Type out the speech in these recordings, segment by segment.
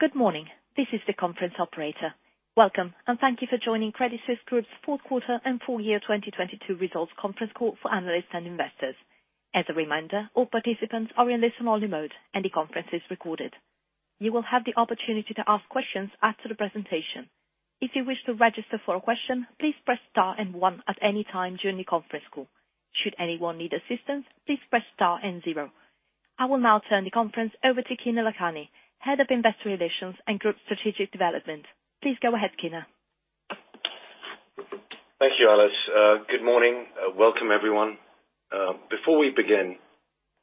Good morning. This is the conference operator. Welcome, thank you for joining Credit Suisse Group's fourth quarter and full year 2022 results conference call for analysts and investors. As a reminder, all participants are in listen-only mode, and the conference is recorded. You will have the opportunity to ask questions after the presentation. If you wish to register for a question, please press star and one at any time during the conference call. Should anyone need assistance, please press star and zero. I will now turn the conference over to Kinner Lakhani, Head of Investor Relations and Group Strategic Development. Please go ahead, Kinner. Thank you, Alice. Good morning. Welcome everyone. Before we begin,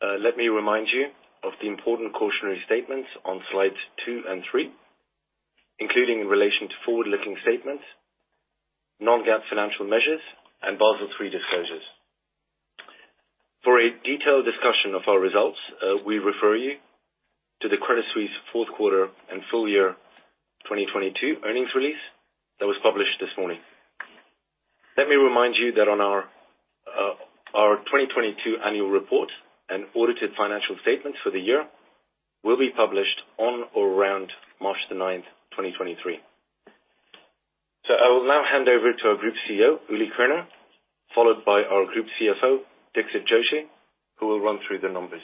let me remind you of the important cautionary statements on slides two and three, including in relation to forward-looking statements, non-GAAP financial measures, and Basel III disclosures. For a detailed discussion of our results, we refer you to the Credit Suisse fourth quarter and full year 2022 earnings release that was published this morning. Let me remind you that on our 2022 annual report and audited financial statements for the year will be published on or around March the ninth, 2023. I will now hand over to our Group CEO, Ulrich Körner, followed by our Group CFO, Dixit Joshi, who will run through the numbers.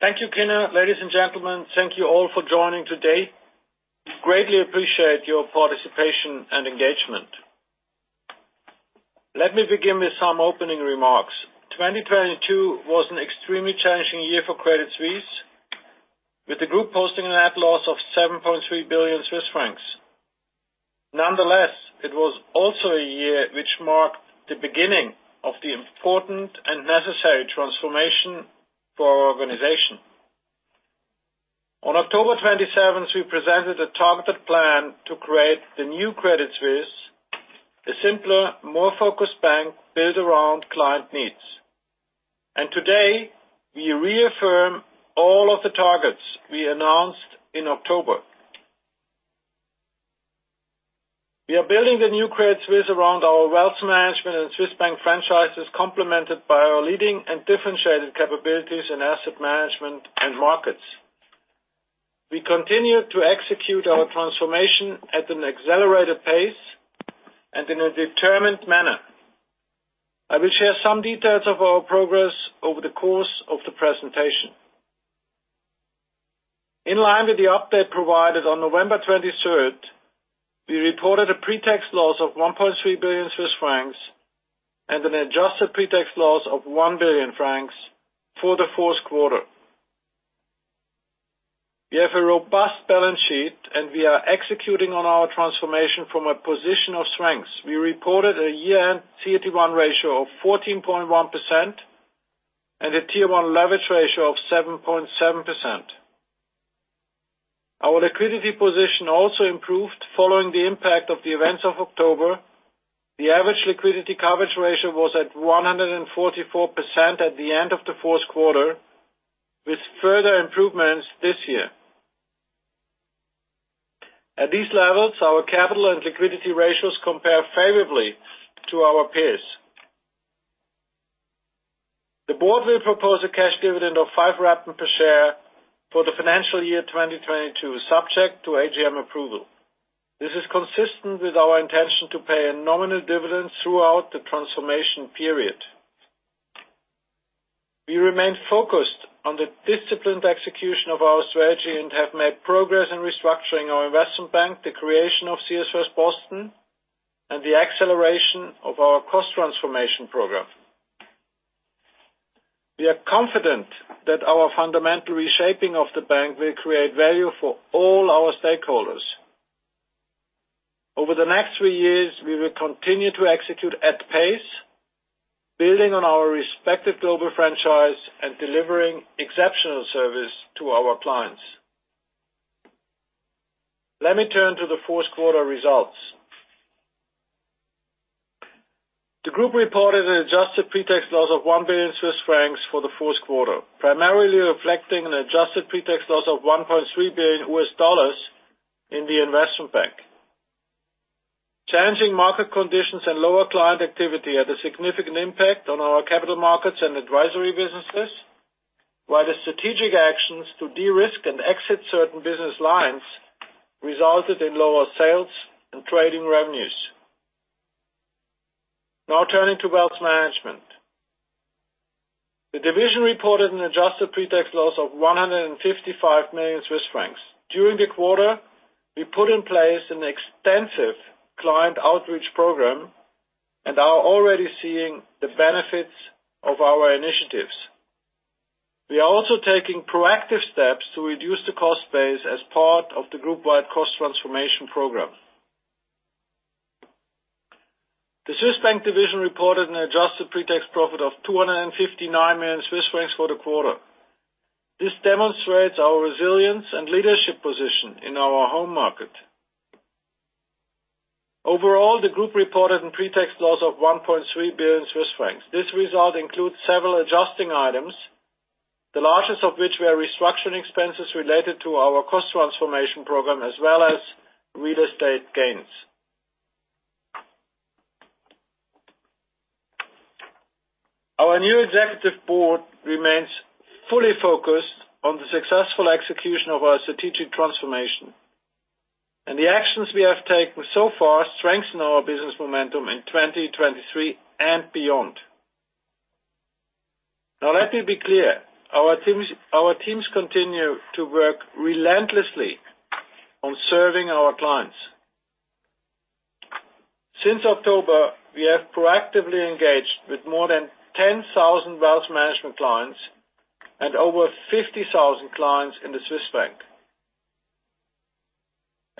Thank you, Kinner. Ladies and gentlemen, thank you all for joining today. Greatly appreciate your participation and engagement. Let me begin with some opening remarks. 2022 was an extremely challenging year for Credit Suisse, with the group posting a net loss of 7.3 billion Swiss francs. Nonetheless, it was also a year which marked the beginning of the important and necessary transformation for our organization. On October 27, we presented a targeted plan to create the new Credit Suisse, a simpler, more focused bank built around client needs. Today, we reaffirm all of the targets we announced in October. We are building the new Credit Suisse around our wealth management and Swiss Bank franchises, complemented by our leading and differentiated capabilities in asset management and markets. We continue to execute our transformation at an accelerated pace and in a determined manner. I will share some details of our progress over the course of the presentation. In line with the update provided on November 23rd, we reported a pre-tax loss of 1.3 billion Swiss francs and an adjusted pre-tax loss of 1 billion francs for the fourth quarter. We have a robust balance sheet, and we are executing on our transformation from a position of strength. We reported a year-end CET1 ratio of 14.1% and a Tier 1 leverage ratio of 7.7%. Our liquidity position also improved following the impact of the events of October. The average liquidity coverage ratio was at 144% at the end of the fourth quarter, with further improvements this year. At these levels, our capital and liquidity ratios compare favorably to our peers. The board will propose a cash dividend of 0.05 per share for the financial year 2022, subject to AGM approval. This is consistent with our intention to pay a nominal dividend throughout the transformation period. We remain focused on the disciplined execution of our strategy and have made progress in restructuring our investment bank, the creation of CS First Boston, and the acceleration of our cost transformation program. We are confident that our fundamental reshaping of the bank will create value for all our stakeholders. Over the next three years, we will continue to execute at pace, building on our respective global franchise and delivering exceptional service to our clients. Let me turn to the fourth quarter results. The group reported an adjusted pre-tax loss of 1 billion Swiss francs for the fourth quarter, primarily reflecting an adjusted pre-tax loss of $1.3 billion in the investment bank. Changing market conditions and lower client activity had a significant impact on our capital markets and advisory businesses, while the strategic actions to de-risk and exit certain business lines resulted in lower sales and trading revenues. Turning to wealth management. The division reported an adjusted pre-tax loss of 155 million Swiss francs. During the quarter, we put in place an extensive client outreach program and are already seeing the benefits of our initiatives. We are also taking proactive steps to reduce the cost base as part of the group-wide cost transformation program. The Swiss Bank division reported an adjusted pre-tax profit of 259 million Swiss francs for the quarter. This demonstrates our resilience and leadership position in our home market. Overall, the group reported a pre-tax loss of 1.3 billion Swiss francs. This result includes several adjusting items, the largest of which were restructuring expenses related to our cost transformation program as well as real estate gains. Our new executive board remains fully focused on the successful execution of our strategic transformation, and the actions we have taken so far strengthen our business momentum in 2023 and beyond. Now, let me be clear. Our teams continue to work relentlessly on serving our clients. Since October, we have proactively engaged with more than 10,000 Wealth Management clients and over 50,000 clients in the Swiss Bank.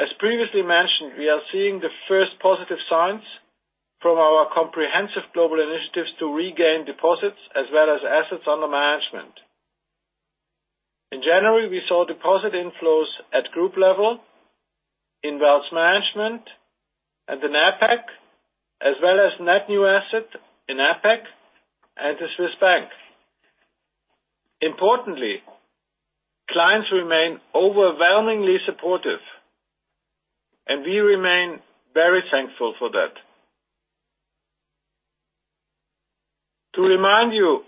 As previously mentioned, we are seeing the first positive signs from our comprehensive global initiatives to regain deposits as well as assets under management. In January, we saw deposit inflows at group level in Wealth Management and in APAC, as well as net new asset in APAC and the Swiss Bank. Importantly, clients remain overwhelmingly supportive, we remain very thankful for that. To remind you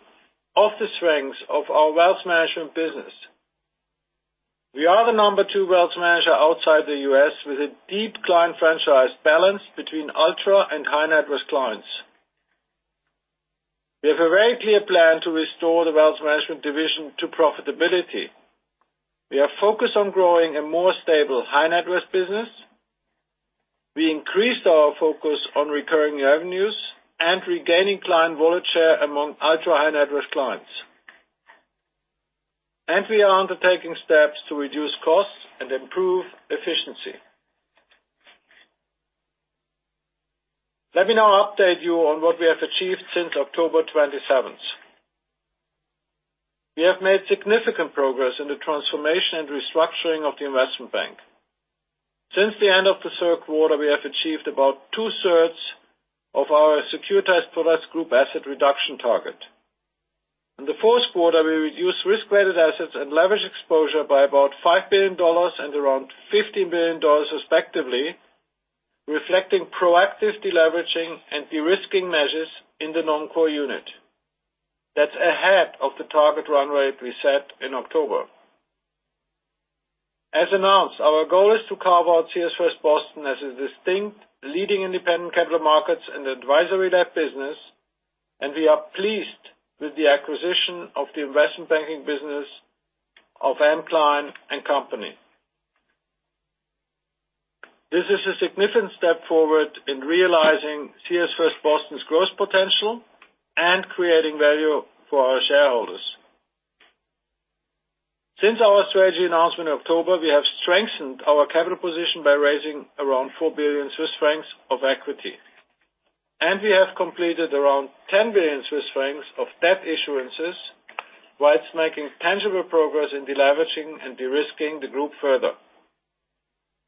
of the strengths of our wealth management business, we are the number 2 wealth manager outside the US with a deep client franchise balance between ultra and high-net-worth clients. We have a very clear plan to restore the Wealth Management division to profitability. We are focused on growing a more stable high-net-worth business. We increased our focus on recurring revenues and regaining client wallet share among ultra-high-net-worth clients. We are undertaking steps to reduce costs and improve efficiency. Let me now update you on what we have achieved since October 27th. We have made significant progress in the transformation and restructuring of the Investment Bank. Since the end of the third quarter, we have achieved about two-thirds of our Securitized Products Group asset reduction target. In the fourth quarter, we reduced risk-weighted assets and leverage exposure by about $5 billion and around $15 billion respectively, reflecting proactive deleveraging and de-risking measures in the non-core unit. That's ahead of the target run rate we set in October. As announced, our goal is to carve out CS First Boston as a distinct leading independent capital markets and advisory-led business, and we are pleased with the acquisition of the investment banking business of M. Klein & Company. This is a significant step forward in realizing CS First Boston's growth potential and creating value for our shareholders. Since our strategy announcement in October, we have strengthened our capital position by raising around 4 billion Swiss francs of equity. We have completed around 10 billion Swiss francs of debt issuances while making tangible progress in deleveraging and de-risking the group further.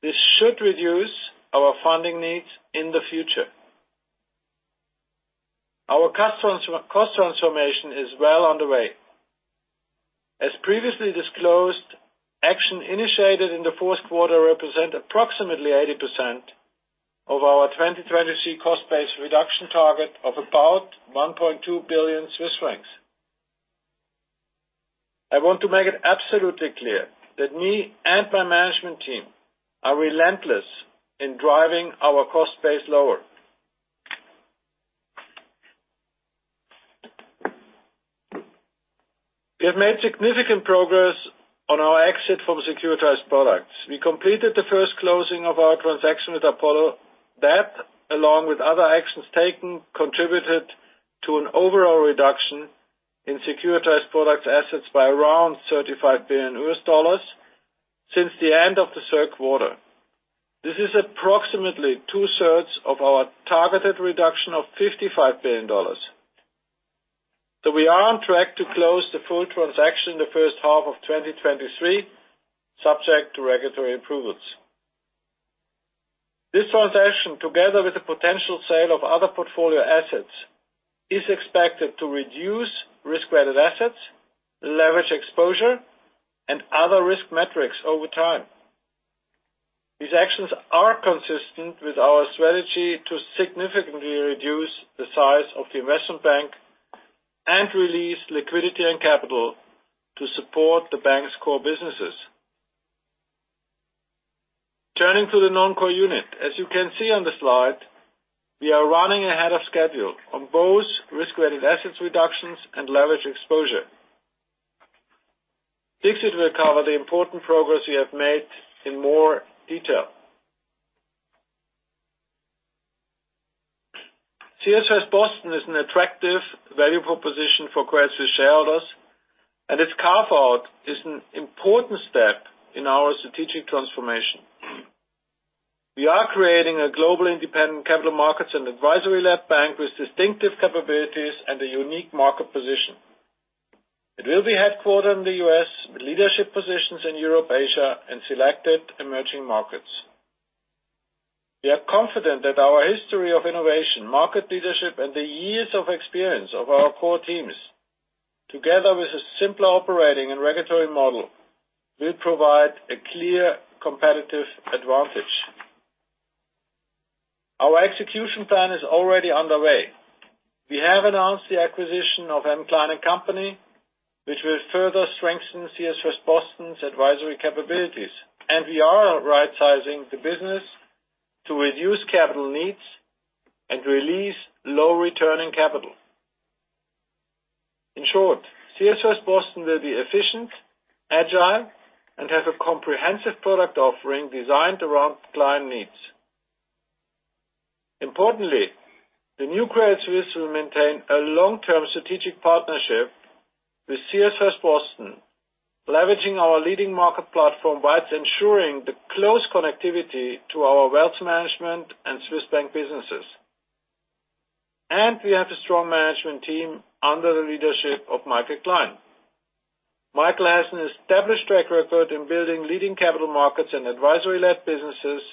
This should reduce our funding needs in the future. Our cost transformation is well underway. As previously disclosed, action initiated in the fourth quarter represent approximately 80% of our 2023 cost-based reduction target of about 1.2 billion Swiss francs. I want to make it absolutely clear that me and my management team are relentless in driving our cost base lower. We have made significant progress on our exit from securitized products. We completed the first closing of our transaction with Apollo. That, along with other actions taken, contributed to an overall reduction in securitized products assets by around $35 billion since the end of the third quarter. This is approximately two-thirds of our targeted reduction of $55 billion. We are on track to close the full transaction the first half of 2023, subject to regulatory approvals. This transaction, together with the potential sale of other portfolio assets, is expected to reduce risk-weighted assets, leverage exposure, and other risk metrics over time. These actions are consistent with our strategy to significantly reduce the size of the Investment Bank and release liquidity and capital to support the bank's core businesses. Turning to the non-core unit. As you can see on the slide, we are running ahead of schedule on both risk-weighted assets reductions and leverage exposure. Dixit will cover the important progress we have made in more detail. CS First Boston is an attractive value proposition for Credit Suisse shareholders, and its carve-out is an important step in our strategic transformation. We are creating a global independent capital markets and advisory-led bank with distinctive capabilities and a unique market position. It will be headquartered in the U.S. with leadership positions in Europe, Asia, and selected emerging markets. We are confident that our history of innovation, market leadership, and the years of experience of our core teams, together with a simpler operating and regulatory model, will provide Competitive advantage. Our execution plan is already underway. We have announced the acquisition of M. Klein & Company, which will further strengthen CS First Boston's advisory capabilities, and we are rightsizing the business to reduce capital needs and release low returning capital. In short, CS First Boston will be efficient, agile, and have a comprehensive product offering designed around client needs. Importantly, the new Credit Suisse will maintain a long-term strategic partnership with CS First Boston, leveraging our leading market platform whilst ensuring the close connectivity to our wealth management and Swiss bank businesses. We have a strong management team under the leadership of Michael Klein. Michael has an established track record in building leading capital markets and advisory-led businesses,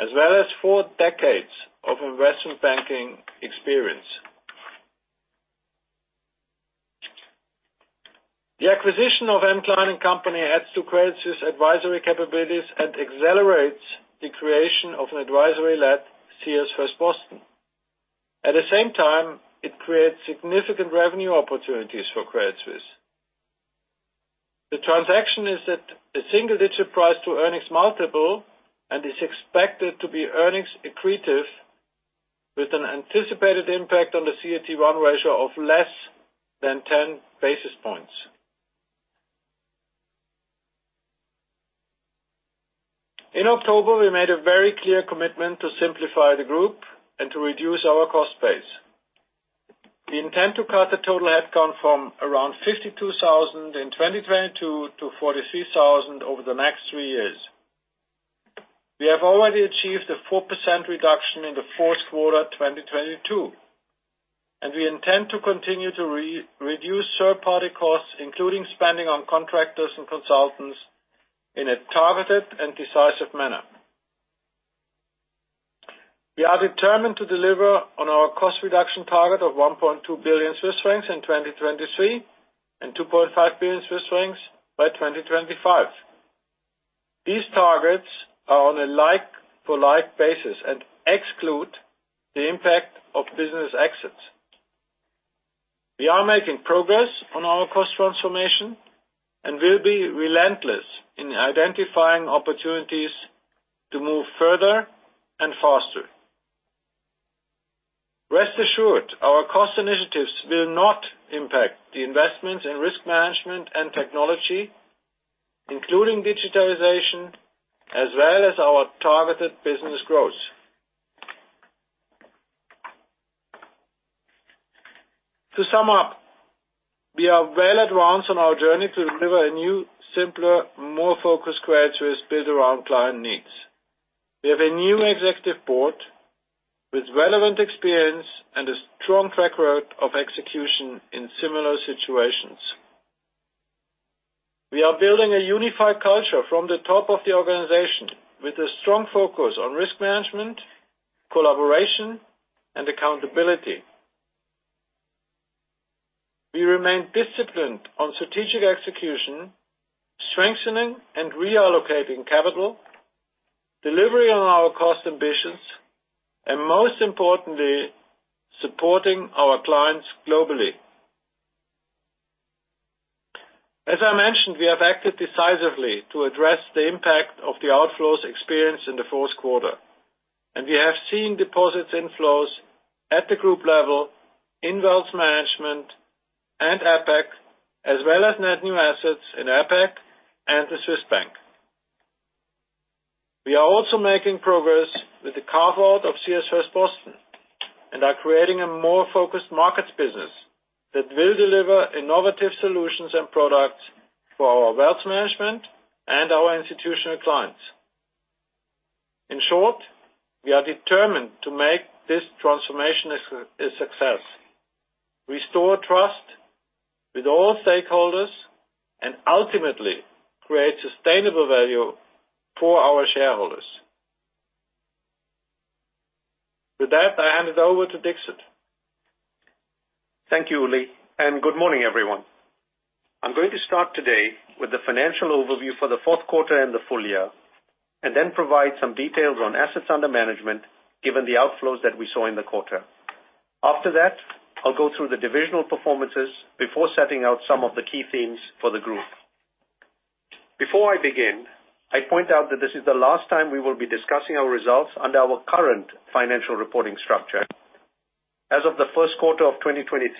as well as four decades of investment banking experience. The acquisition of M. Klein & Company adds to Credit Suisse advisory capabilities and accelerates the creation of an advisory-led CS First Boston. At the same time, it creates significant revenue opportunities for Credit Suisse. The transaction is at a single-digit price to earnings multiple and is expected to be earnings accretive with an anticipated impact on the CET1 ratio of less than 10 basis points. In October, we made a very clear commitment to simplify the group and to reduce our cost base. We intend to cut the total headcount from around 52,000 in 2022 to 43,000 over the next three years. We have already achieved a 4% reduction in the fourth quarter, 2022. We intend to continue to reduce third-party costs, including spending on contractors and consultants, in a targeted and decisive manner. We are determined to deliver on our cost reduction target of 1.2 billion Swiss francs in 2023 and 2.5 billion Swiss francs by 2025. These targets are on a like-for-like basis and exclude the impact of business exits. We are making progress on our cost transformation and will be relentless in identifying opportunities to move further and faster. Rest assured, our cost initiatives will not impact the investments in risk management and technology, including digitalization, as well as our targeted business growth. To sum up, we are well advanced on our journey to deliver a new, simpler, more focused Credit Suisse built around client needs. We have a new executive board with relevant experience and a strong track record of execution in similar situations. We are building a unified culture from the top of the organization with a strong focus on risk management, collaboration, and accountability. We remain disciplined on strategic execution, strengthening and reallocating capital, delivering on our cost ambitions, and most importantly, supporting our clients globally. As I mentioned, we have acted decisively to address the impact of the outflows experienced in the fourth quarter, and we have seen deposits inflows at the group level in wealth management and APAC, as well as net new assets in APAC and the Swiss bank. We are also making progress with the carve-out of CS First Boston and are creating a more focused markets business that will deliver innovative solutions and products for our wealth management and our institutional clients. In short, we are determined to make this transformation a success, restore trust with all stakeholders, and ultimately create sustainable value for our shareholders. With that, I hand it over to Dixit. Thank you, Uli, and good morning, everyone. I'm going to start today with the financial overview for the fourth quarter and the full year, and then provide some details on assets under management, given the outflows that we saw in the quarter. After that, I'll go through the divisional performances before setting out some of the key themes for the group. Before I begin, I point out that this is the last time we will be discussing our results under our current financial reporting structure. As of the first quarter of 2023,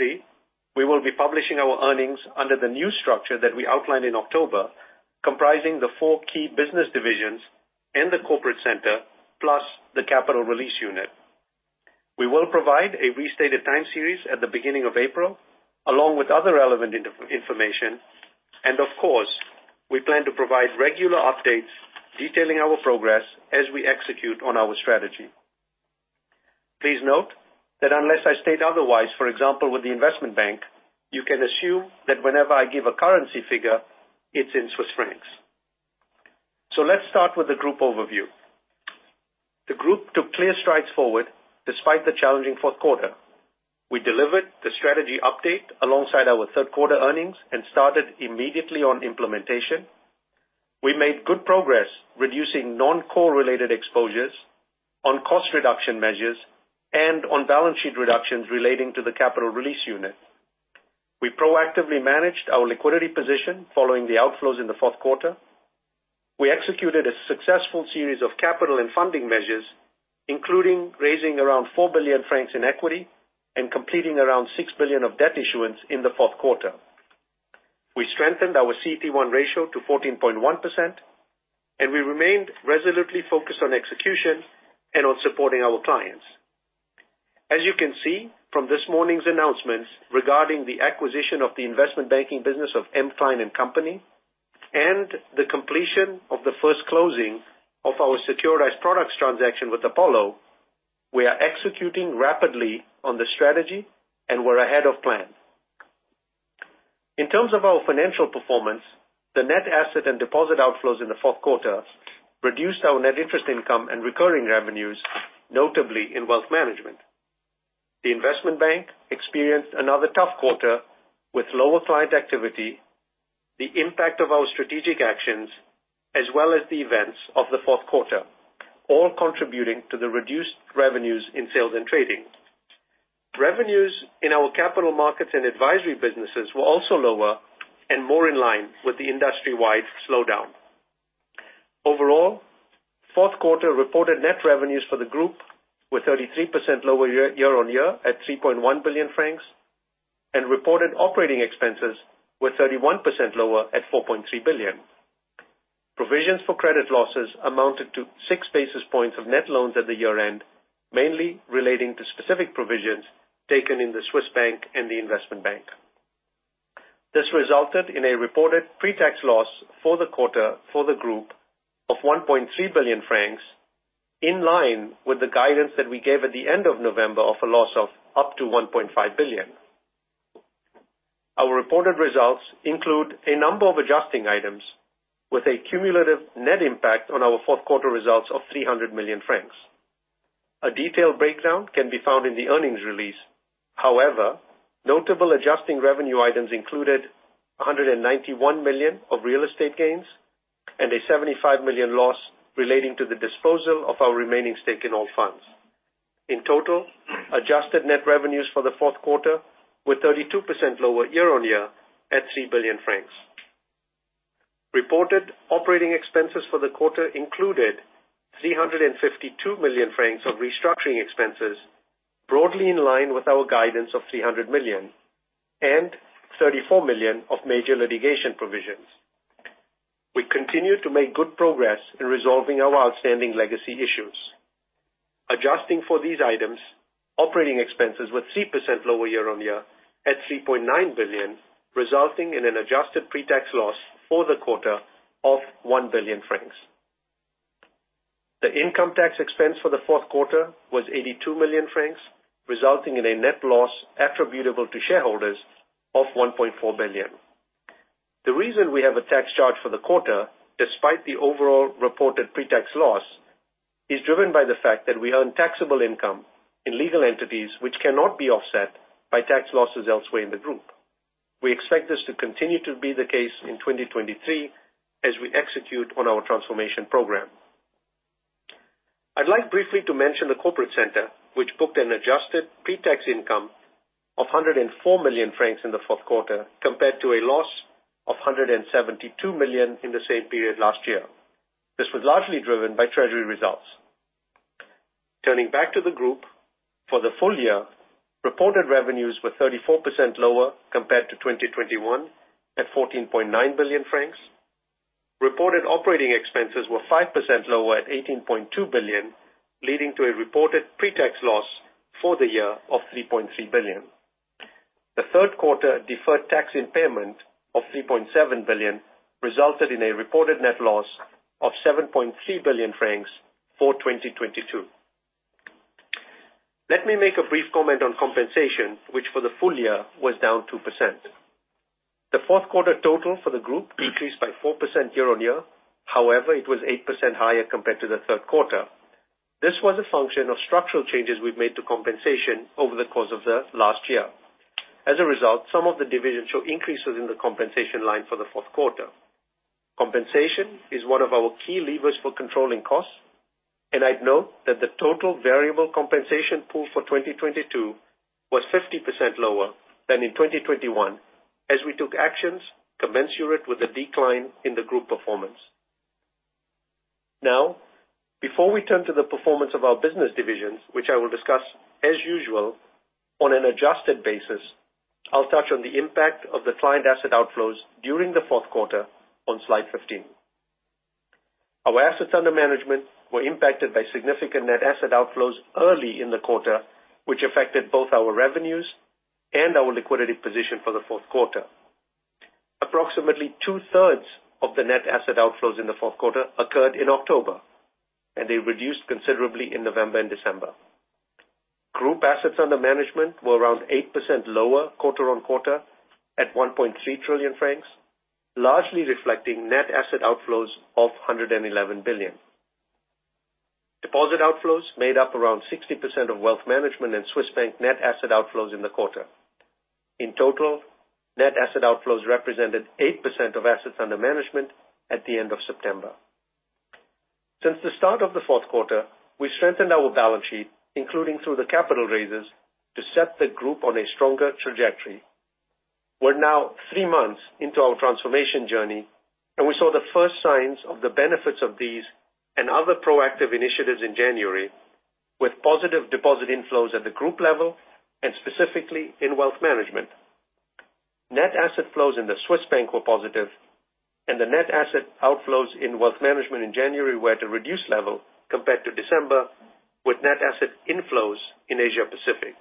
we will be publishing our earnings under the new structure that we outlined in October, comprising the four key business divisions and the corporate center, plus the Capital Release Unit. We will provide a restated time series at the beginning of April, along with other relevant information, and of course, we plan to provide regular updates detailing our progress as we execute on our strategy. Please note that unless I state otherwise, for example, with the investment bank, you can assume that whenever I give a currency figure, it's in Swiss francs. Let's start with the group overview. Despite the challenging fourth quarter, we delivered the strategy update alongside our third quarter earnings and started immediately on implementation. We made good progress reducing non-core related exposures on cost reduction measures and on balance sheet reductions relating to the Capital Release Unit. We proactively managed our liquidity position following the outflows in the fourth quarter. We executed a successful series of capital and funding measures, including raising around 4 billion francs in equity and completing around 6 billion of debt issuance in the fourth quarter. We strengthened our CET1 ratio to 14.1%. We remained resolutely focused on execution and on supporting our clients. As you can see from this morning's announcements regarding the acquisition of the investment banking business of M. Klein & Company, and the completion of the first closing of our securitized products transaction with Apollo, we are executing rapidly on the strategy and we're ahead of plan. In terms of our financial performance, the net asset and deposit outflows in the fourth quarter reduced our net interest income and recurring revenues, notably in wealth management. The investment bank experienced another tough quarter with lower client activity, the impact of our strategic actions, as well as the events of the fourth quarter, all contributing to the reduced revenues in sales and trading. Revenues in our capital markets and advisory businesses were also lower and more in line with the industry-wide slowdown. Overall, fourth quarter reported net revenues for the group were 33% lower year-on-year at 3.1 billion francs, and reported operating expenses were 31% lower at 4.3 billion. Provisions for credit losses amounted to 6 basis points of net loans at the year-end, mainly relating to specific provisions taken in the Swiss bank and the investment bank. This resulted in a reported pre-tax loss for the quarter for the group of 1.3 billion francs, in line with the guidance that we gave at the end of November of a loss of up to 1.5 billion. Our reported results include a number of adjusting items with a cumulative net impact on our fourth quarter results of 300 million francs. A detailed breakdown can be found in the earnings release. However, notable adjusting revenue items included 191 million of real estate gains and a 75 million loss relating to the disposal of our remaining stake in Allfunds. In total, adjusted net revenues for the fourth quarter were 32% lower year-on-year at 3 billion francs. Reported operating expenses for the quarter included 352 million francs of restructuring expenses, broadly in line with our guidance of 300 million, and 34 million of major litigation provisions. We continue to make good progress in resolving our outstanding legacy issues. Adjusting for these items, operating expenses were 3% lower year-on-year at 3.9 billion, resulting in an adjusted pre-tax loss for the quarter of 1 billion francs. The income tax expense for the fourth quarter was 82 million francs, resulting in a net loss attributable to shareholders of 1.4 billion. The reason we have a tax charge for the quarter, despite the overall reported pre-tax loss, is driven by the fact that we earn taxable income in legal entities, which cannot be offset by tax losses elsewhere in the group. We expect this to continue to be the case in 2023 as we execute on our transformation program. I'd like briefly to mention the corporate center, which booked an adjusted pre-tax income of 104 million francs in the Q4 compared to a loss of 172 million in the same period last year. This was largely driven by treasury results. Turning back to the group, for the full year, reported revenues were 34% lower compared to 2021 at 14.9 billion francs. Reported operating expenses were 5% lower at 18.2 billion, leading to a reported pre-tax loss for the year of 3.3 billion. The Q3 deferred tax impairment of 3.7 billion resulted in a reported net loss of 7.3 billion francs for 2022. Let me make a brief comment on compensation, which for the full year was down 2%. The fourth quarter total for the group decreased by 4% year-on-year. It was 8% higher compared to the third quarter. This was a function of structural changes we've made to compensation over the course of the last year. As a result, some of the divisions show increases in the compensation line for the fourth quarter. Compensation is one of our key levers for controlling costs. I'd note that the total variable compensation pool for 2022 was 50% lower than in 2021, as we took actions commensurate with the decline in the group performance. Now, before we turn to the performance of our business divisions, which I will discuss as usual on an adjusted basis, I'll touch on the impact of the client asset outflows during the fourth quarter on slide 15. Our assets under management were impacted by significant net asset outflows early in the quarter, which affected both our revenues and our liquidity position for the fourth quarter. Approximately two-thirds of the net asset outflows in the fourth quarter occurred in October. They reduced considerably in November and December. Group assets under management were around 8% lower quarter-on-quarter at 1.3 trillion francs. Largely reflecting net asset outflows of 111 billion. Deposit outflows made up around 60% of wealth management and Swiss Bank net asset outflows in the quarter. In total, net asset outflows represented 8% of assets under management at the end of September. Since the start of the fourth quarter, we strengthened our balance sheet, including through the capital raises, to set the Group on a stronger trajectory. We're now three months into our transformation journey, and we saw the first signs of the benefits of these and other proactive initiatives in January, with positive deposit inflows at the Group level and specifically in wealth management. Net asset flows in the Swiss Bank were positive, and the net asset outflows in wealth management in January were at a reduced level compared to December, with net asset inflows in Asia-Pacific.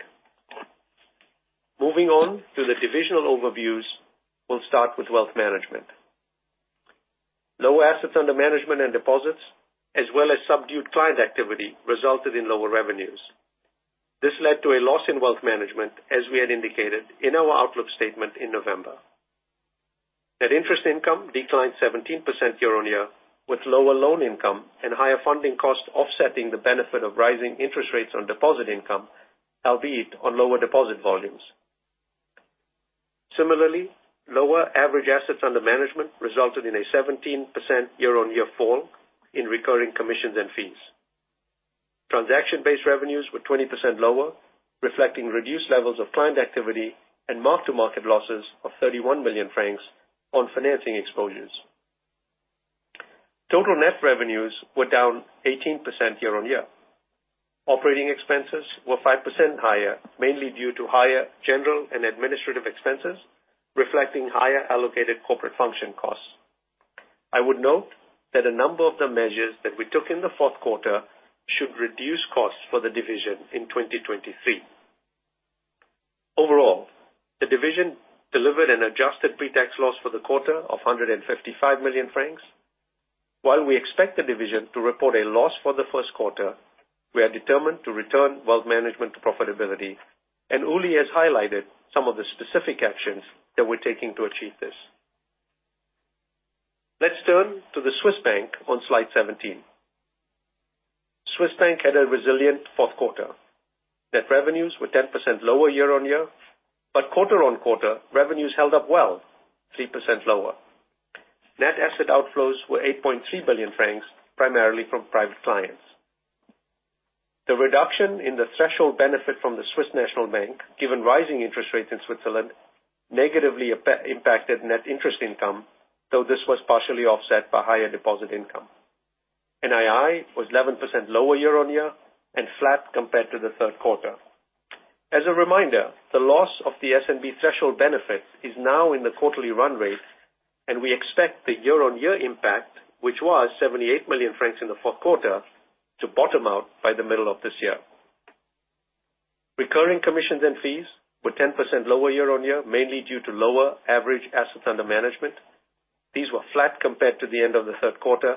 Moving on to the divisional overviews, we'll start with wealth management. Low assets under management and deposits, as well as subdued client activity, resulted in lower revenues. This led to a loss in wealth management, as we had indicated in our outlook statement in November. Net interest income declined 17% year-on-year, with lower loan income and higher funding costs offsetting the benefit of rising interest rates on deposit income, albeit on lower deposit volumes. Similarly, lower average assets under management resulted in a 17% year-on-year fall in recurring commissions and fees. Transaction-based revenues were 20% lower, reflecting reduced levels of client activity and mark-to-market losses of 31 million francs on financing exposures. Total net revenues were down 18% year-on-year. Operating expenses were 5% higher, mainly due to higher general and administrative expenses, reflecting higher allocated corporate function costs. I would note that a number of the measures that we took in the fourth quarter should reduce costs for the division in 2023. Overall, the division delivered an adjusted pre-tax loss for the quarter of 155 million francs. While we expect the division to report a loss for the first quarter, we are determined to return wealth management to profitability. Uli has highlighted some of the specific actions that we're taking to achieve this. Let's turn to the Swiss Bank on slide 17. Swiss Bank had a resilient fourth quarter. Net revenues were 10% lower year-on-year. Quarter-on-quarter, revenues held up well, 3% lower. Net asset outflows were 8.3 billion francs, primarily from private clients. The reduction in the threshold benefit from the Swiss National Bank, given rising interest rates in Switzerland, negatively impacted net interest income, though this was partially offset by higher deposit income. NII was 11% lower year-on-year and flat compared to the third quarter. As a reminder, the loss of the SNB threshold benefit is now in the quarterly run rate, and we expect the year-on-year impact, which was 78 million francs in the 4th quarter, to bottom out by the middle of this year. Recurring commissions and fees were 10% lower year-on-year, mainly due to lower average assets under management. These were flat compared to the end of the 3rd quarter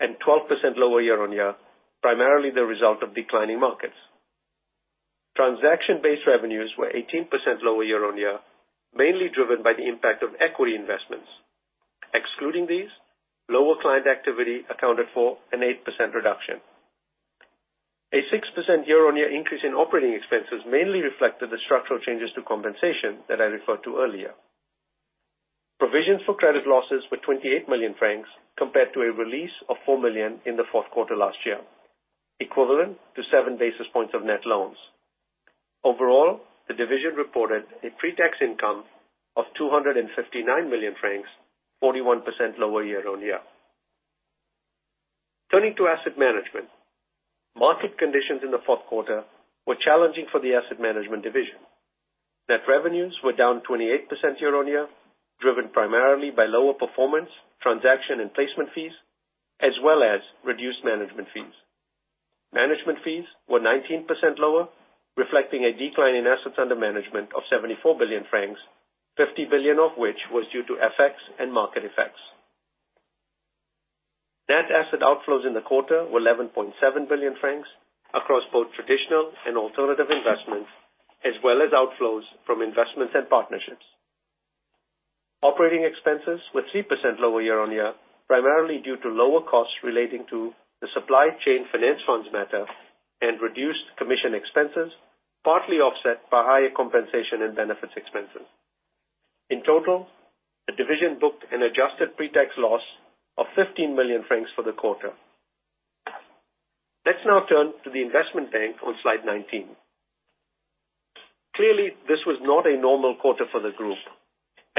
and 12% lower year-on-year, primarily the result of declining markets. Transaction-based revenues were 18% lower year-on-year, mainly driven by the impact of equity investments. Excluding these, lower client activity accounted for an 8% reduction. A 6% year-on-year increase in operating expenses mainly reflected the structural changes to compensation that I referred to earlier. Provisions for credit losses were 28 million francs compared to a release of 4 million in the fourth quarter last year, equivalent to 7 basis points of net loans. Overall, the division reported a pre-tax income of 259 million francs, 41% lower year-on-year. Turning to asset management. Market conditions in the fourth quarter were challenging for the asset management division. Net revenues were down 28% year-on-year, driven primarily by lower performance, transaction and placement fees, as well as reduced management fees. Management fees were 19% lower, reflecting a decline in assets under management of 74 billion francs, 50 billion of which was due to FX and market effects. Net asset outflows in the quarter were 11.7 billion francs across both traditional and alternative investments, as well as outflows from investments and partnerships. Operating expenses were 3% lower year-on-year, primarily due to lower costs relating to the supply chain finance funds matter and reduced commission expenses, partly offset by higher compensation and benefits expenses. In total, the division booked an adjusted pre-tax loss of 15 million francs for the quarter. Let's now turn to the investment bank on slide 19. Clearly, this was not a normal quarter for the group,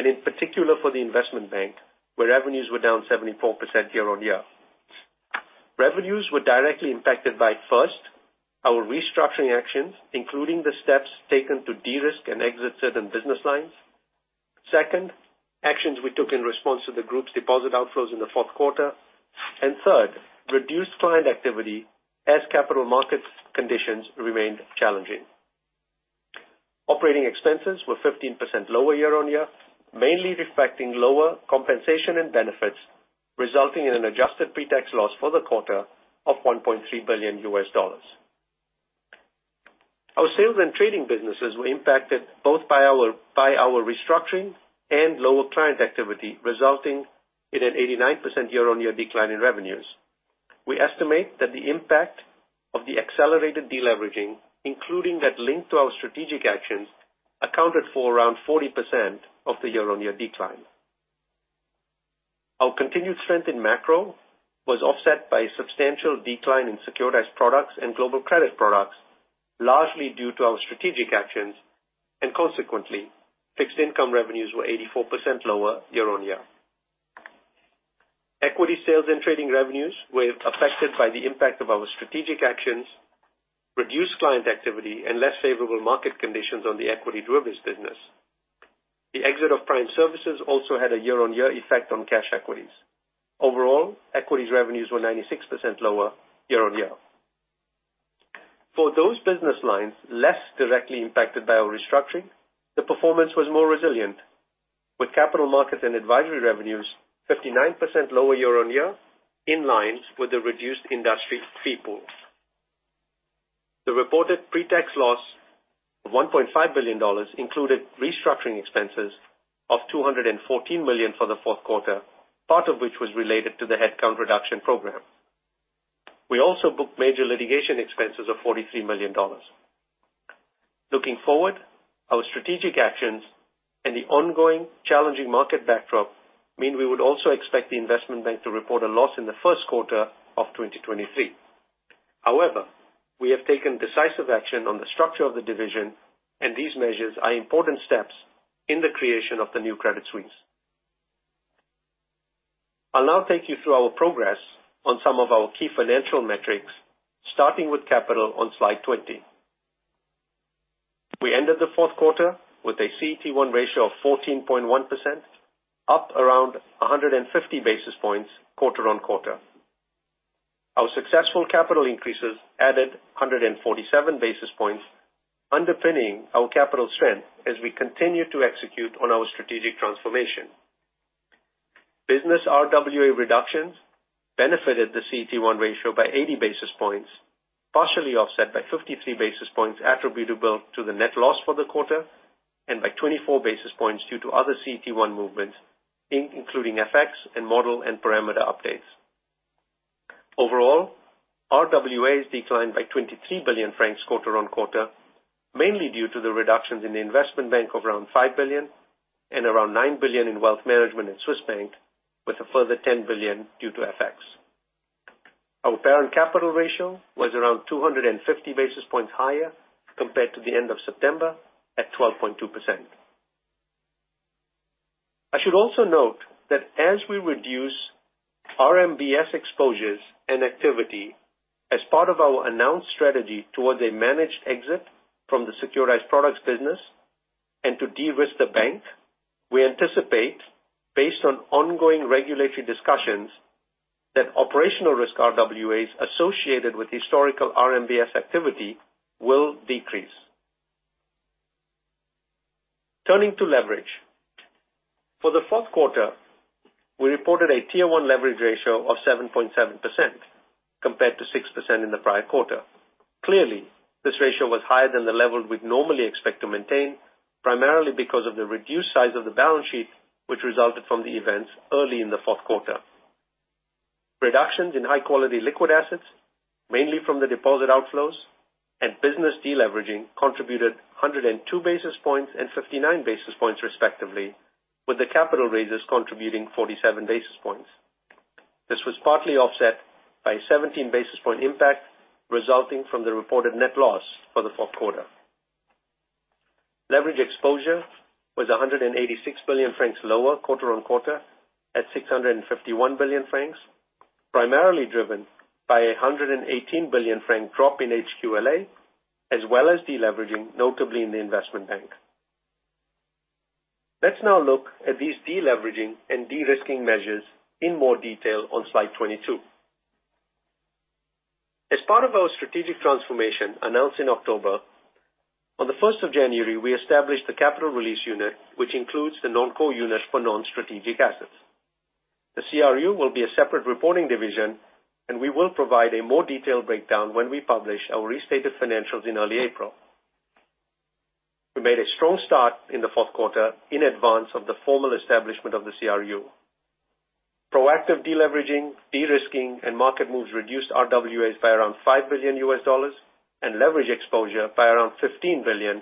and in particular for the investment bank, where revenues were down 74% year-on-year. Revenues were directly impacted by, first, our restructuring actions, including the steps taken to de-risk and exit certain business lines. Second, actions we took in response to the group's deposit outflows in the fourth quarter. Third, reduced client activity as capital markets conditions remained challenging. Operating expenses were 15% lower year-on-year, mainly reflecting lower compensation and benefits, resulting in an adjusted pre-tax loss for the quarter of $1.3 billion. Our sales and trading businesses were impacted both by our restructuring and lower client activity, resulting in an 89% year-on-year decline in revenues. We estimate that the impact of the accelerated deleveraging, including that linked to our strategic actions, accounted for around 40% of the year-on-year decline. Our continued strength in macro was offset by a substantial decline in securitized products and global credit products, largely due to our strategic actions. Consequently, fixed income revenues were 84% lower year-on-year. Equity sales and trading revenues were affected by the impact of our strategic actions, reduced client activity and less favorable market conditions on the equity derivatives business. The exit of prime services also had a year-on-year effect on cash equities. Overall, equities revenues were 96% lower year-on-year. For those business lines less directly impacted by our restructuring, the performance was more resilient, with capital markets and advisory revenues 59% lower year-on-year, in lines with the reduced industry fee pool. The reported pre-tax loss of $1.5 billion included restructuring expenses of $214 million for the fourth quarter, part of which was related to the headcount reduction program. We also booked major litigation expenses of $43 million. Looking forward, our strategic actions and the ongoing challenging market backdrop mean we would also expect the investment bank to report a loss in the first quarter of 2023. However, we have taken decisive action on the structure of the division, and these measures are important steps in the creation of the new Credit Suisse. I'll now take you through our progress on some of our key financial metrics, starting with capital on slide 20. We ended the fourth quarter with a CET1 ratio of 14.1%, up around 150 basis points quarter-on-quarter. Our successful capital increases added 147 basis points, underpinning our capital strength as we continue to execute on our strategic transformation. Business RWA reductions benefited the CET1 ratio by 80 basis points, partially offset by 53 basis points attributable to the net loss for the quarter and by 24 basis points due to other CET1 movements including FX and model and parameter updates. Overall, RWAs declined by 23 billion francs quarter-on-quarter, mainly due to the reductions in the investment bank of around 5 billion and around 9 billion in wealth management in Swiss Bank, with a further 10 billion due to FX. Our parent capital ratio was around 250 basis points higher compared to the end of September at 12.2%. I should also note that as we reduce RMBS exposures and activity as part of our announced strategy towards a managed exit from the securitized products business and to de-risk the bank, we anticipate, based on ongoing regulatory discussions, that operational risk RWAs associated with historical RMBS activity will decrease. Turning to leverage. For the fourth quarter, we reported a Tier 1 leverage ratio of 7.7% compared to 6% in the prior quarter. Clearly, this ratio was higher than the level we'd normally expect to maintain, primarily because of the reduced size of the balance sheet, which resulted from the events early in the fourth quarter. Reductions in high-quality liquid assets, mainly from the deposit outflows and business deleveraging, contributed 102 basis points and 59 basis points, respectively, with the capital raises contributing 47 basis points. This was partly offset by a 17 basis point impact resulting from the reported net loss for the fourth quarter. Leverage exposure was 186 billion francs lower quarter-on-quarter at 651 billion francs, primarily driven by a 118 billion franc drop in HQLA, as well as deleveraging, notably in the investment bank. Let's now look at these deleveraging and de-risking measures in more detail on slide 22. As part of our strategic transformation announced in October, on the 1st of January, we established the Capital Release Unit, which includes the non-core unit for non-strategic assets. The CRU will be a separate reporting division, and we will provide a more detailed breakdown when we publish our restated financials in early April. We made a strong start in the 4th quarter in advance of the formal establishment of the CRU. Proactive deleveraging, de-risking and market moves reduced RWAs by around $5 billion and leverage exposure by around $15 billion,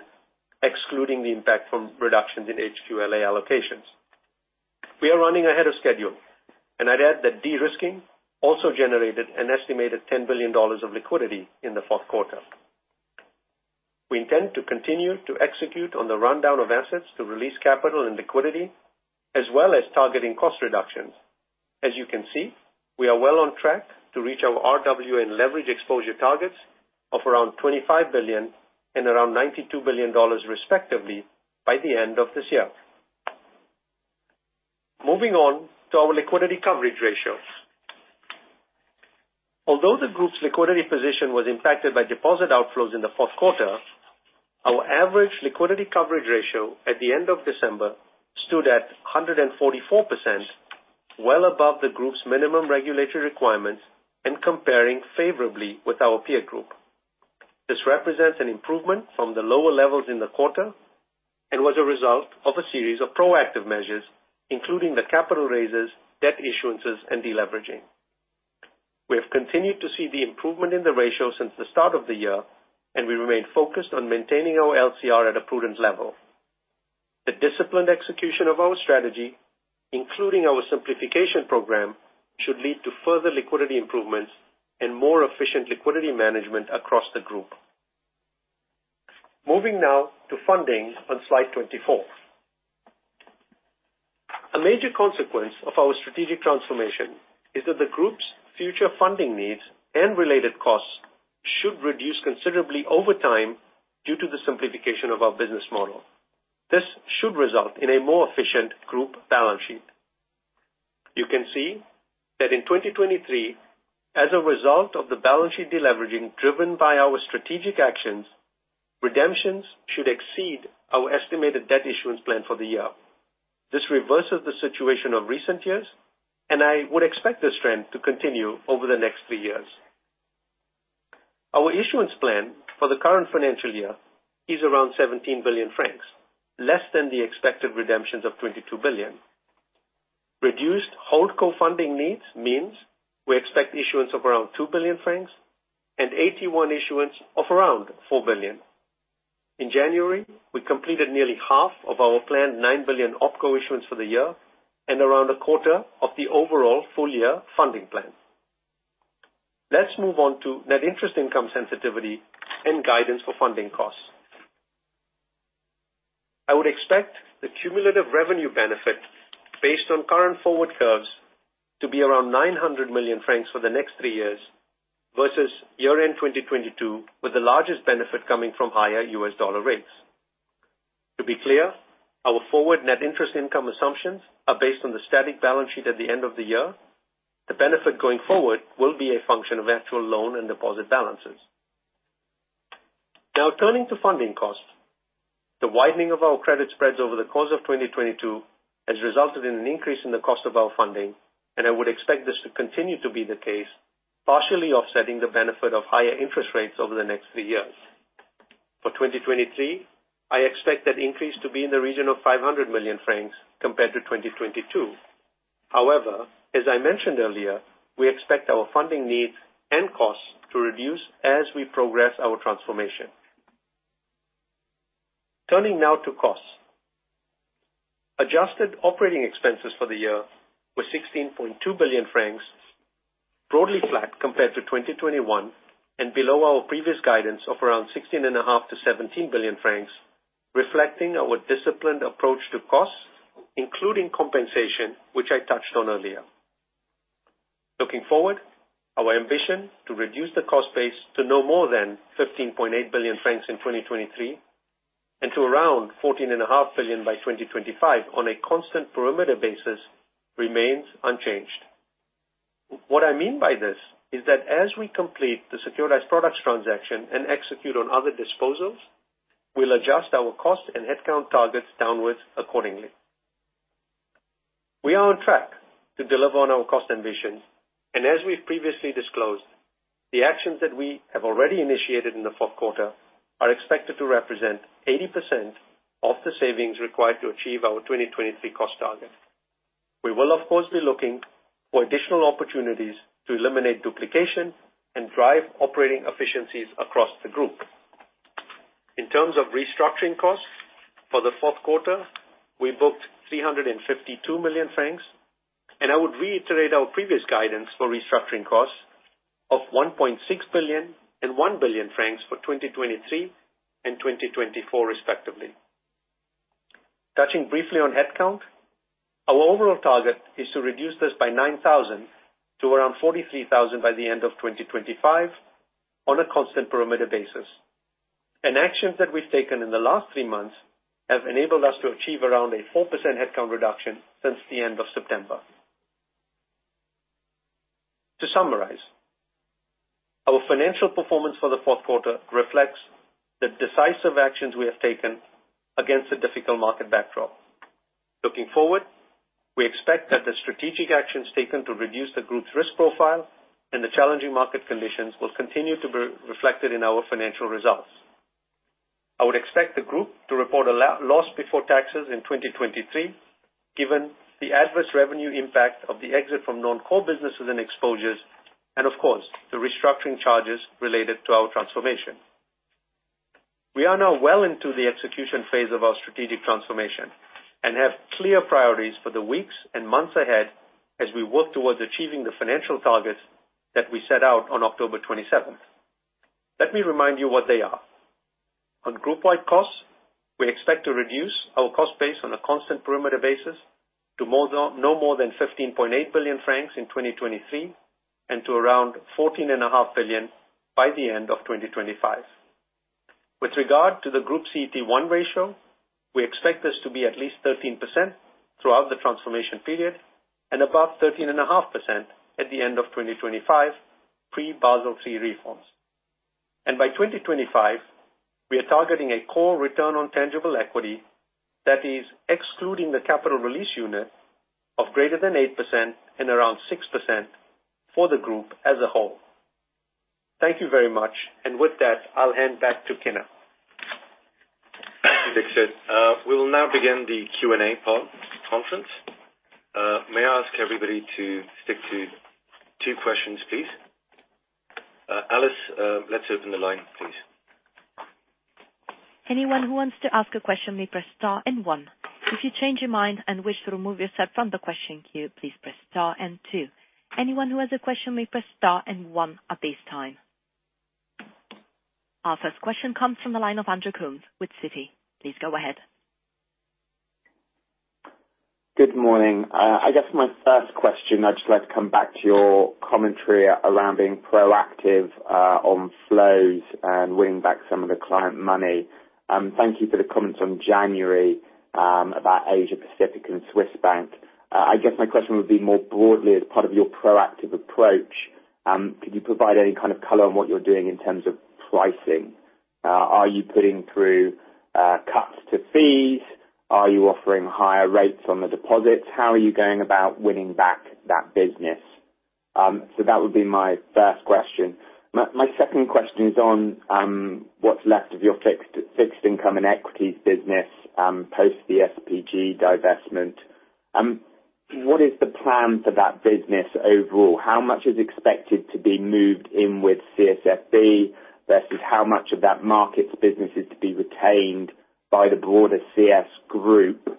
excluding the impact from reductions in HQLA allocations. We are running ahead of schedule, I'd add that de-risking also generated an estimated $10 billion of liquidity in the 4th quarter. We intend to continue to execute on the rundown of assets to release capital and liquidity, as well as targeting cost reductions. As you can see, we are well on track to reach our RWA and leverage exposure targets of around $25 billion and around $92 billion, respectively, by the end of this year. Moving on to our liquidity coverage ratios. The group's liquidity position was impacted by deposit outflows in the fourth quarter, our average liquidity coverage ratio at the end of December stood at 144%. Well above the group's minimum regulatory requirements and comparing favorably with our peer group. This represents an improvement from the lower levels in the quarter and was a result of a series of proactive measures, including the capital raises, debt issuances, and deleveraging. We have continued to see the improvement in the ratio since the start of the year, and we remain focused on maintaining our LCR at a prudent level. The disciplined execution of our strategy, including our simplification program, should lead to further liquidity improvements and more efficient liquidity management across the group. Moving now to funding on slide 24. A major consequence of our strategic transformation is that the group's future funding needs and related costs should reduce considerably over time due to the simplification of our business model. This should result in a more efficient group balance sheet. You can see that in 2023, as a result of the balance sheet deleveraging driven by our strategic actions, redemptions should exceed our estimated debt issuance plan for the year. This reverses the situation of recent years, and I would expect this trend to continue over the next 3 years. Our issuance plan for the current financial year is around 17 billion francs, less than the expected redemptions of 22 billion. Reduced HoldCo funding needs means we expect issuance of around 2 billion francs and AT1 issuance of around 4 billion. In January, we completed nearly half of our planned 9 billion OpCo issuance for the year and around a quarter of the overall full-year funding plan. Let's move on to net interest income sensitivity and guidance for funding costs. I would expect the cumulative revenue benefit based on current forward curves to be around 900 million francs for the next three years versus year-end 2022, with the largest benefit coming from higher US dollar rates. To be clear, our forward net interest income assumptions are based on the static balance sheet at the end of the year. The benefit going forward will be a function of actual loan and deposit balances. Now turning to funding costs. The widening of our credit spreads over the course of 2022 has resulted in an increase in the cost of our funding, and I would expect this to continue to be the case, partially offsetting the benefit of higher interest rates over the next 3 years. For 2023, I expect that increase to be in the region of 500 million francs compared to 2022. However, as I mentioned earlier, we expect our funding needs and costs to reduce as we progress our transformation. Turning now to costs. Adjusted operating expenses for the year were 16.2 billion francs, broadly flat compared to 2021 and below our previous guidance of around 16.5 billion-17 billion francs, reflecting our disciplined approach to costs, including compensation, which I touched on earlier. Looking forward, our ambition to reduce the cost base to no more than 15.8 billion francs in 2023 and to around 14.5 billion by 2025 on a constant perimeter basis remains unchanged. What I mean by this is that as we complete the securitized products transaction and execute on other disposals, we'll adjust our cost and headcount targets downwards accordingly. We are on track to deliver on our cost ambitions, and as we've previously disclosed, the actions that we have already initiated in the Q4 are expected to represent 80% of the savings required to achieve our 2023 cost target. We will, of course, be looking for additional opportunities to eliminate duplication and drive operating efficiencies across the group. In terms of restructuring costs, for the Q4, we booked 352 million francs. I would reiterate our previous guidance for restructuring costs of 1.6 billion and 1 billion francs for 2023 and 2024 respectively. Touching briefly on headcount, our overall target is to reduce this by 9,000 to around 43,000 by the end of 2025 on a constant perimeter basis. Actions that we've taken in the last three months have enabled us to achieve around a 4% headcount reduction since the end of September. To summarize, our financial performance for the fourth quarter reflects the decisive actions we have taken against a difficult market backdrop. Looking forward, we expect that the strategic actions taken to reduce the group's risk profile and the challenging market conditions will continue to be reflected in our financial results. I would expect the group to report. loss before taxes in 2023, given the adverse revenue impact of the exit from non-core businesses and exposures, and of course, the restructuring charges related to our transformation. We are now well into the execution phase of our strategic transformation and have clear priorities for the weeks and months ahead as we work towards achieving the financial targets that we set out on October 27th. Let me remind you what they are. On group-wide costs, we expect to reduce our cost base on a constant perimeter basis to no more than 15.8 billion francs in 2023 and to around fourteen and a half billion by the end of 2025. With regard to the Group CET1 ratio, we expect this to be at least 13% throughout the transformation period and above 13.5% at the end of 2025, pre-Basel III reforms. By 2025, we are targeting a core return on tangible equity that is excluding the Capital Release Unit of greater than 8% and around 6% for the group as a whole. Thank you very much. With that, I'll hand back to Kinner. Thank you, Dixit. We will now begin the Q&A conference. May I ask everybody to stick to two questions, please. Alice, let's open the line, please. Anyone who wants to ask a question may press star and one. If you change your mind and wish to remove yourself from the question queue, please press star and two. Anyone who has a question may press star and one at this time. Our first question comes from the line of Andrew Coombs with Citi. Please go ahead. Good morning. I guess my first question, I'd just like to come back to your commentary around being proactive on flows and winning back some of the client money. Thank you for the comments on January about Asia Pacific and Swiss Bank. I guess my question would be more broadly, as part of your proactive approach, could you provide any kind of color on what you're doing in terms of pricing? Are you putting through cuts to fees? Are you offering higher rates on the deposits? How are you going about winning back that business? That would be my first question. My second question is on what's left of your fixed income and equities business post the SPG divestment. What is the plan for that business overall? How much is expected to be moved in with CSFB versus how much of that markets business is to be retained by the broader CS Group?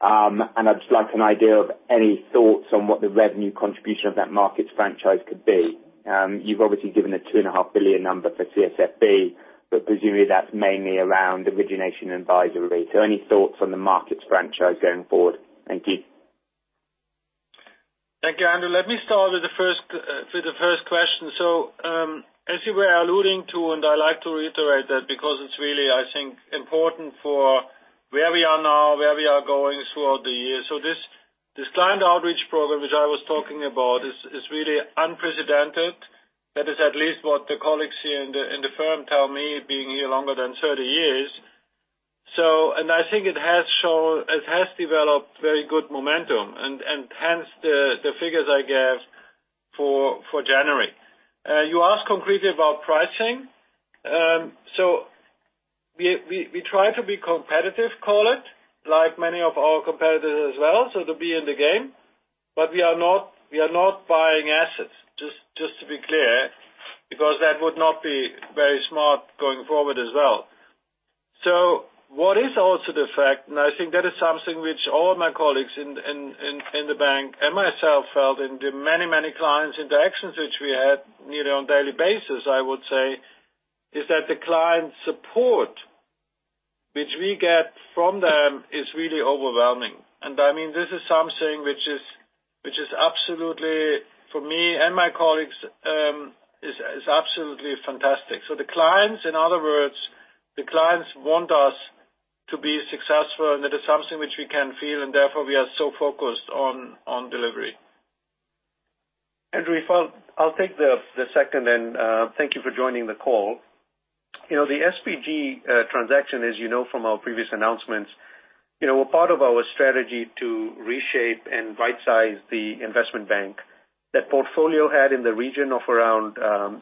I'd just like an idea of any thoughts on what the revenue contribution of that markets franchise could be. You've obviously given a $2.5 billion number for CSFB, but presumably, that's mainly around origination and advisory. Any thoughts on the markets franchise going forward? Thank you. Thank you, Andrew. Let me start with the first, with the first question. As you were alluding to, and I like to reiterate that because it's really, I think, important for where we are now, where we are going throughout the year. This client outreach program, which I was talking about is really unprecedented. That is at least what the colleagues here in the firm tell me being here longer than 30 years. And I think it has developed very good momentum and hence the figures I gave for January. You asked concretely about pricing. We try to be competitive, call it, like many of our competitors as well, so to be in the game. We are not buying assets, just to be clear, because that would not be very smart going forward as well. What is also the fact, and I think that is something which all my colleagues in the bank and myself felt in the many clients interactions which we had nearly on daily basis, I would say, is that the client support which we get from them is really overwhelming. I mean, this is something which is absolutely for me and my colleagues, is absolutely fantastic. The clients, in other words, want us to be successful, and that is something which we can feel, and therefore we are so focused on delivery. Andrew, I'll take the second and thank you for joining the call. You know, the SPG transaction, as you know from our previous announcements, you know, were part of our strategy to reshape and rightsize the investment bank. That portfolio had in the region of around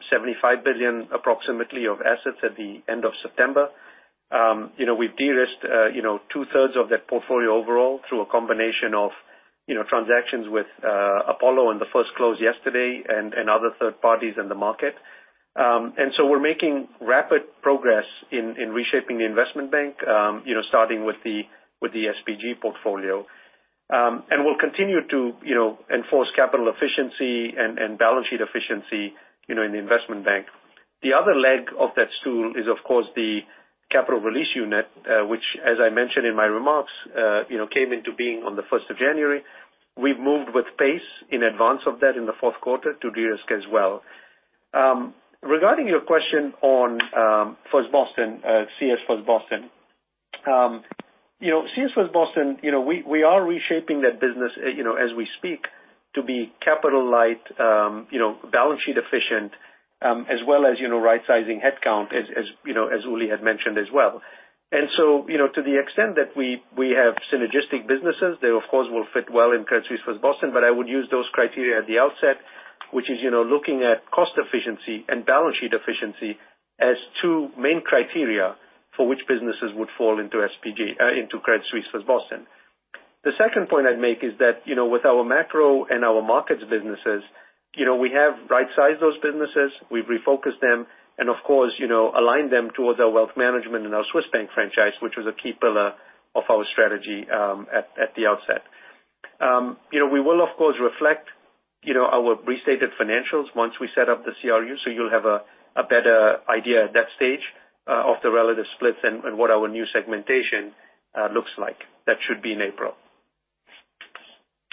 75 billion approximately of assets at the end of September. You know, we've de-risked, you know, two-thirds of that portfolio overall through a combination of, you know, transactions with Apollo and the first close yesterday and other third parties in the market. We're making rapid progress in reshaping the investment bank, you know, starting with the SPG portfolio. We'll continue to, you know, enforce capital efficiency and balance sheet efficiency, you know, in the investment bank. The other leg of that stool is of course the Capital Release Unit, which as I mentioned in my remarks, you know, came into being on the first of January. We've moved with pace in advance of that in the fourth quarter to de-risk as well. Regarding your question on CS First Boston. You know, CS First Boston, you know, we are reshaping that business, you know, as we speak, to be capital light, you know, balance sheet efficient, as well as, you know, rightsizing headcount as, you know, as Uli had mentioned as well. You know, to the extent that we have synergistic businesses, they of course will fit well in Credit Suisse First Boston, but I would use those criteria at the outset, which is, you know, looking at cost efficiency and balance sheet efficiency as two main criteria for which businesses would fall into SPG, into Credit Suisse First Boston. The second point I'd make is that, you know, with our macro and our markets businesses, you know, we have rightsized those businesses. We've refocused them and of course, you know, aligned them towards our wealth management and our Swiss Bank franchise, which was a key pillar of our strategy at the outset. You know, we will of course reflect, you know, our restated financials once we set up the CRU, so you'll have a better idea at that stage of the relative splits and what our new segmentation looks like. That should be in April.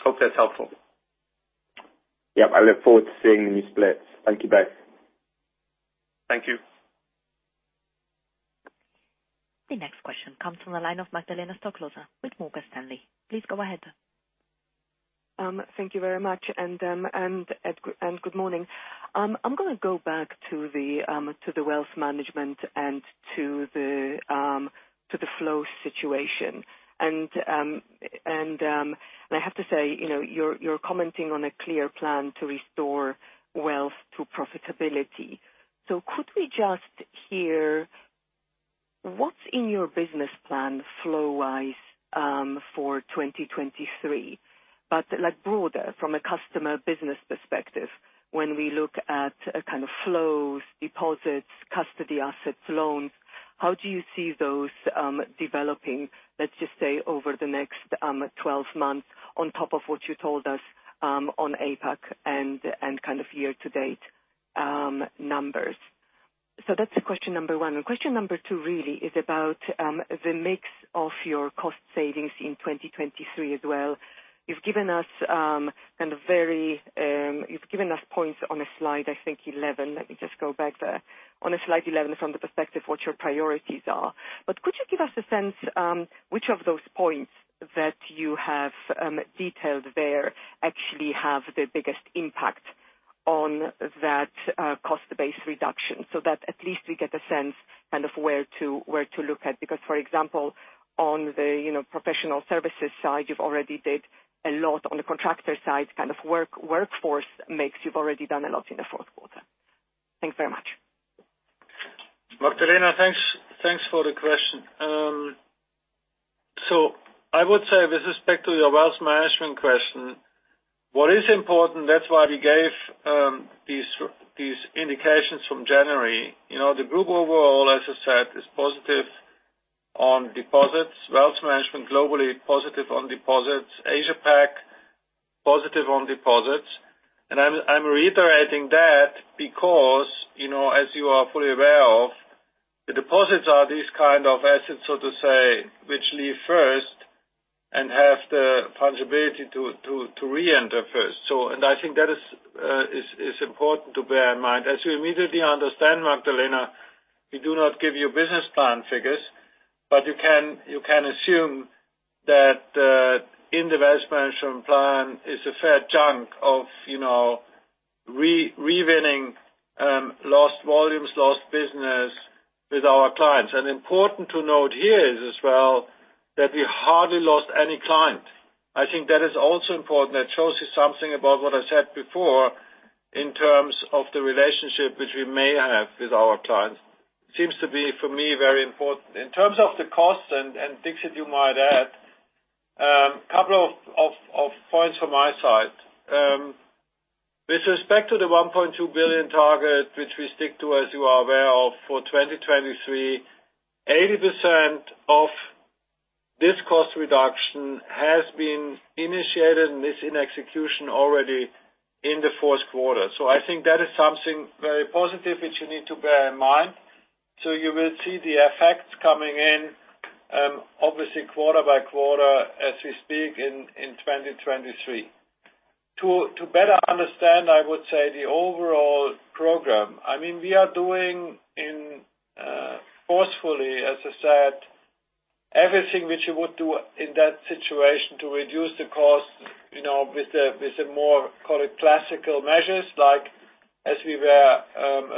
Hope that's helpful. Yeah, I look forward to seeing the new splits. Thank you both. Thank you. The next question comes from the line of Magdalena Stoklosa with Morgan Stanley. Please go ahead. Thank you very much and good morning. I'm gonna go back to the wealth management and to the flow situation. I have to say, you know, you're commenting on a clear plan to restore wealth to profitability. Could we just hear what's in your business plan flow-wise for 2023? Like, broader from a customer business perspective, when we look at a kind of flows, deposits, custody assets, loans, how do you see those developing, let's just say, over the next 12 months on top of what you told us on APAC and kind of year to date numbers? That's question number 1. Question number 2 really is about the mix of your cost savings in 2023 as well. You've given us points on a slide, I think 11. Let me just go back there. On slide 11 from the perspective what your priorities are. Could you give us a sense which of those points that you have detailed there actually have the biggest impact on that cost base reduction, so that at least we get a sense kind of where to, where to look at? For example, on the, you know, professional services side, you've already did a lot on the contractor side, kind of workforce mix you've already done a lot in the fourth quarter. Thanks very much. Magdalena, thanks for the question. I would say with respect to your wealth management question, what is important, that's why we gave these indications from January. You know, the group overall, as I said, is positive on deposits, wealth management globally, positive on deposits, Asia Pac, positive on deposits. I'm reiterating that because, you know, as you are fully aware of, the deposits are these kind of assets, so to say, which leave first and have the possibility to reenter first. And I think that is important to bear in mind. As you immediately understand, Magdalena, we do not give you business plan figures, but you can assume that in the wealth management plan is a fair chunk of, you know, rewinning lost volumes, lost business with our clients. Important to note here is as well that we hardly lost any client. I think that is also important. That shows you something about what I said before in terms of the relationship which we may have with our clients. Seems to be, for me, very important. In terms of the costs, and Dixit you might add, couple of points from my side. With respect to the 1.2 billion target, which we stick to, as you are aware of, for 2023, 80% of this cost reduction has been initiated and is in execution already in the fourth quarter. I think that is something very positive, which you need to bear in mind. You will see the effects coming in, obviously quarter by quarter as we speak in, 2023. To better understand, I would say the overall program, I mean, we are doing in forcefully, as I said, everything which you would do in that situation to reduce the cost, you know, with the, with the more, call it, classical measures, like as we were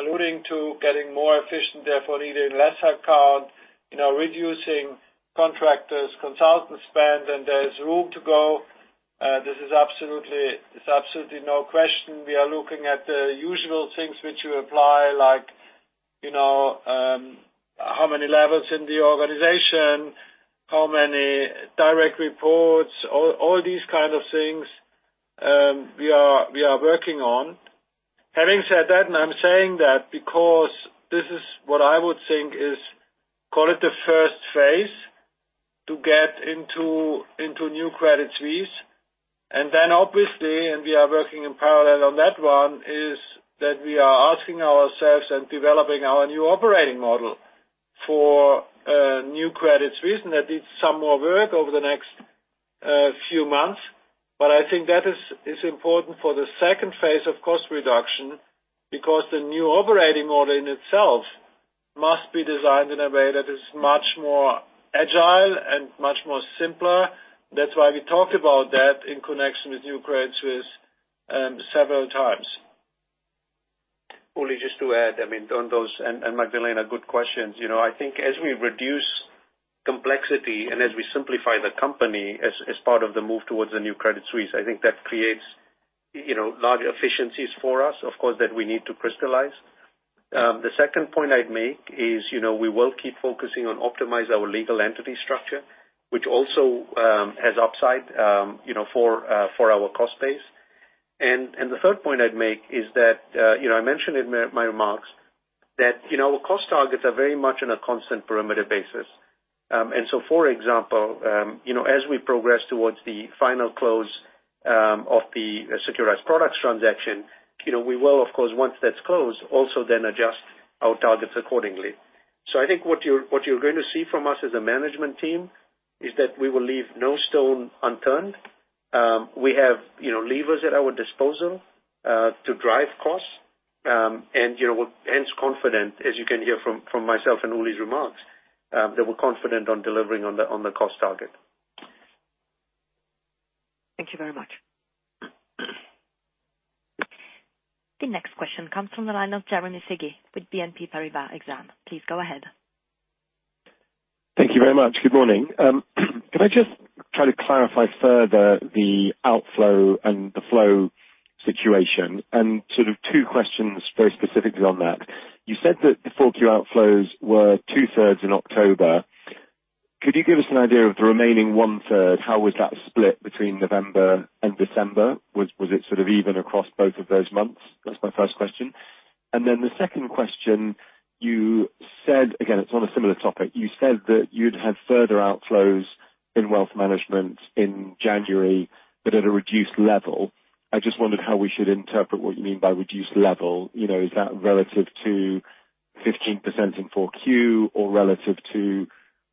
alluding to getting more efficient, therefore needing less headcount, you know, reducing contractors, consultant spend. There's room to go. This is absolutely, it's absolutely no question. We are looking at the usual things which you apply, like, you know, how many levels in the organization, how many direct reports, all these kind of things, we are working on. Having said that, I'm saying that because this is what I would think is, call it the first phase to get into new Credit Suisse. Obviously, and we are working in parallel on that one, is that we are asking ourselves and developing our new operating model for new Credit Suisse. That needs some more work over the next few months. I think that is important for the second phase of cost reduction because the new operating model in itself must be designed in a way that is much more agile and much more simpler. That's why we talk about that in connection with new Credit Suisse several times. Uli, just to add, I mean, on those, and Magdalena, good questions. You know, I think as we reduce complexity and as we simplify the company as part of the move towards the new Credit Suisse, I think that creates, you know, large efficiencies for us, of course, that we need to crystallize. The second point I'd make is, you know, we will keep focusing on optimize our legal entity structure, which also has upside, you know, for our cost base. The third point I'd make is that, you know, I mentioned in my remarks that, you know, our cost targets are very much on a constant perimeter basis. For example, you know, as we progress towards the final close of the securitized products transaction, you know, we will of course, once that's closed, also then adjust our targets accordingly. I think what you're, what you're going to see from us as a management team is that we will leave no stone unturned. We have, you know, levers at our disposal to drive costs. you know, hence confident, as you can hear from myself and Uli's remarks, that we're confident on delivering on the cost target. Thank you very much. The next question comes from the line of Jeremy Sigee with BNP Paribas Exane. Please go ahead. Thank you very much. Good morning. Can I just try to clarify further the outflow and the flow situation and sort of two questions very specifically on that. You said that the 4-quarter outflows were 2/3 in October. Could you give us an idea of the remaining 1/3? How was that split between November and December? Was it sort of even across both of those months? That's my first question. The second question, you said, again, it's on a similar topic. You said that you'd have further outflows in wealth management in January, but at a reduced level. I just wondered how we should interpret what you mean by reduced level. You know, is that relative to 15% in 4Q or relative to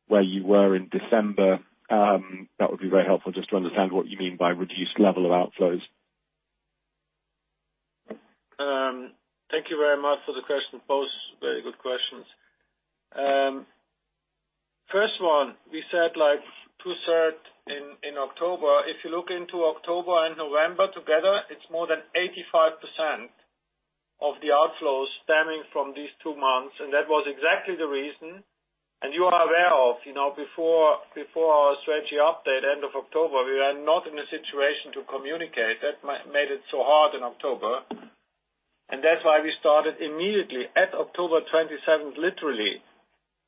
where you were in December? That would be very helpful just to understand what you mean by reduced level of outflows. Thank you very much for the question, both very good questions. First one, we said like two-third in October. If you look into October and November together, it's more than 85% of the outflows stemming from these two months, and that was exactly the reason. You are aware of, you know, before our strategy update end of October, we were not in a situation to communicate. That made it so hard in October. That's why we started immediately at October 27th, literally,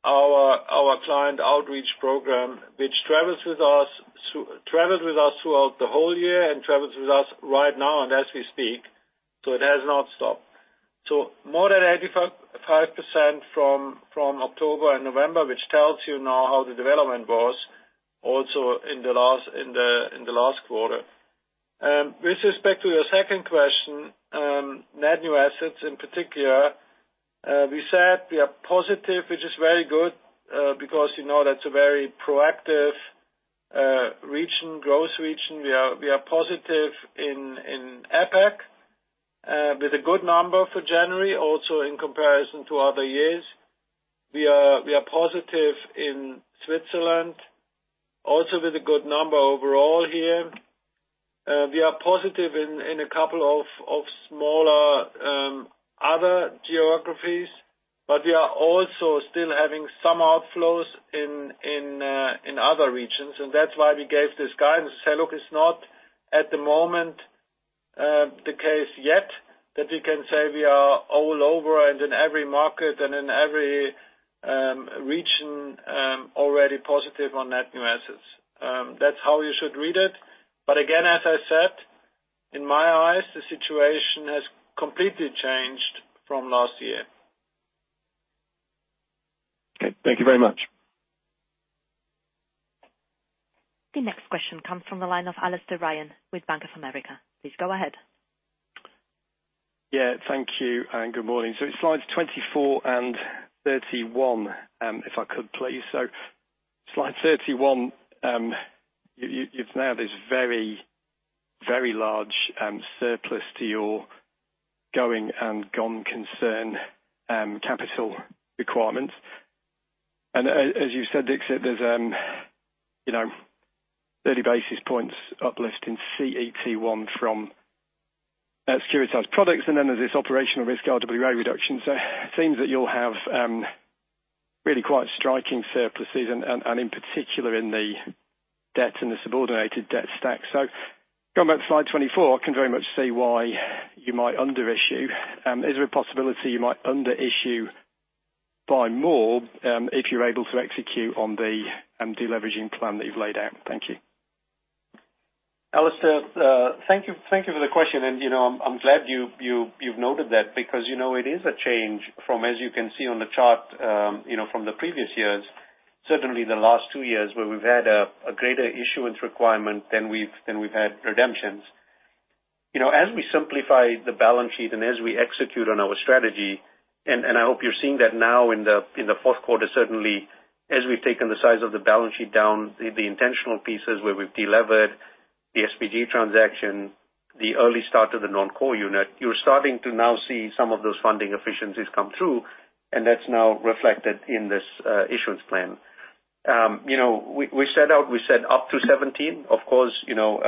our client outreach program, which traveled with us throughout the whole year and travels with us right now and as we speak, so it has not stopped. More than 85% from October and November, which tells you now how the development was also in the last quarter. With respect to your second question, net new assets in particular, we said we are positive, which is very good, because, you know, that's a very proactive region, growth region. We are positive in APAC, with a good number for January, also in comparison to other years. We are positive in Switzerland, also with a good number overall here. We are positive in a couple of smaller other geographies, but we are also still having some outflows in other regions, and that's why we gave this guidance. Say, look, it's not at the moment the case yet that we can say we are all over and in every market and in every region already positive on net new assets. That's how you should read it. Again, as I said, in my eyes, the situation has completely changed from last year. Okay. Thank you very much. The next question comes from the line of Alastair Ryan with Bank of America. Please go ahead. Yeah. Thank you, and good morning. It's slides 24 and 31, if I could please. Slide 31, you've now this very, very large surplus to your going and gone concern capital requirements. As you said, Dixit, there's, you know, 30 basis points uplift in CET1 from securitized products, and then there's this operational risk RWA reduction. It seems that you'll have really quite striking surpluses and in particular in the debt and the subordinated debt stack. Going back to slide 24, I can very much see why you might under issue. Is there a possibility you might under issue by more, if you're able to execute on the deleveraging plan that you've laid out? Thank you. Alastair, thank you. Thank you for the question. You know, I'm glad you, you've noted that because, you know, it is a change from, as you can see on the chart, you know, from the previous years, certainly the last two years where we've had a greater issuance requirement than we've had redemptions. You know, as we simplify the balance sheet and as we execute on our strategy, and I hope you're seeing that now in the fourth quarter, certainly as we've taken the size of the balance sheet down, the intentional pieces where we've delevered the SPG transaction, the early start of the non-core unit, you're starting to now see some of those funding efficiencies come through, and that's now reflected in this issuance plan. You know, we set out, we said up to 17. Of course, you know,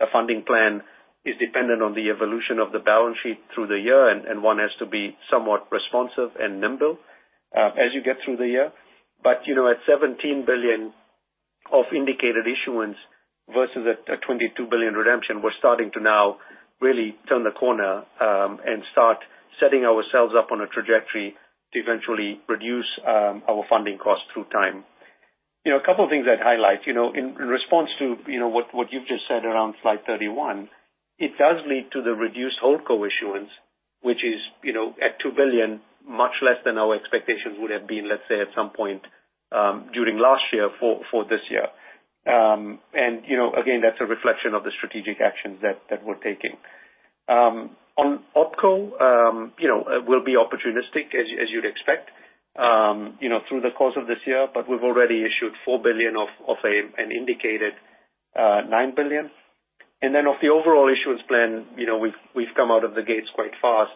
a funding plan is dependent on the evolution of the balance sheet through the year, and one has to be somewhat responsive and nimble, as you get through the year. You know, at 17 billion of indicated issuance versus 22 billion redemption, we're starting to now really turn the corner, and start setting ourselves up on a trajectory to eventually reduce our funding costs through time. You know, a couple of things I'd highlight. You know, in response to, you know, what you've just said around slide 31, it does lead to the reduced HoldCo issuance, which is, you know, at 2 billion, much less than our expectations would have been, let's say, at some point during last year for this year. Again, that's a reflection of the strategic actions that we're taking. On OpCo, we'll be opportunistic as you'd expect through the course of this year, but we've already issued 4 billion of an indicated 9 billion. Of the overall issuance plan, we've come out of the gates quite fast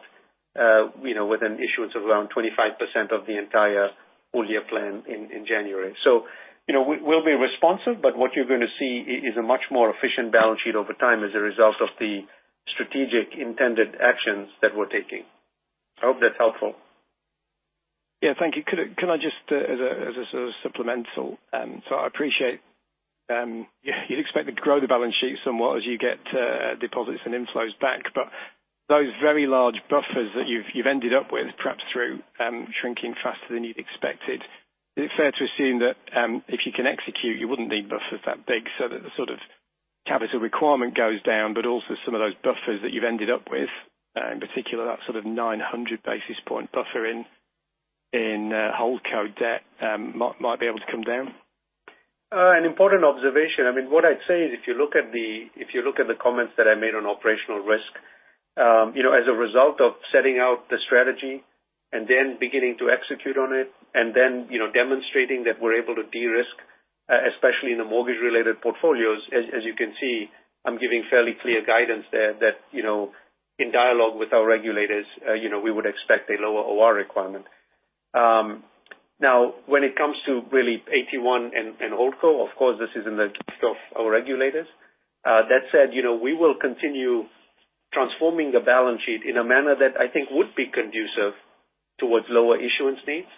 with an issuance of around 25% of the entire full year plan in January. We'll be responsive, but what you're gonna see is a much more efficient balance sheet over time as a result of the strategic intended actions that we're taking. I hope that's helpful. Yeah. Thank you. Can I just, as a, as a supplemental, so I appreciate, you'd expect me to grow the balance sheet somewhat as you get deposits and inflows back. Those very large buffers that you've ended up with, perhaps through, shrinking faster than you'd expected, is it fair to assume that, if you can execute, you wouldn't need buffers that big so that the sort of capital requirement goes down, but also some of those buffers that you've ended up with, in particular, that sort of 900 basis point buffer in HoldCo debt, might be able to come down? An important observation. I mean, what I'd say is if you look at the comments that I made on operational risk, you know, as a result of setting out the strategy and then beginning to execute on it, and then, you know, demonstrating that we're able to de-risk, especially in the mortgage-related portfolios, as you can see, I'm giving fairly clear guidance there that, you know, in dialogue with our regulators, you know, we would expect a lower OR requirement. Now when it comes to really AT1 and HoldCo, of course, this is in the gift of our regulators. That said, you know, we will continue transforming the balance sheet in a manner that I think would be conducive towards lower issuance needs.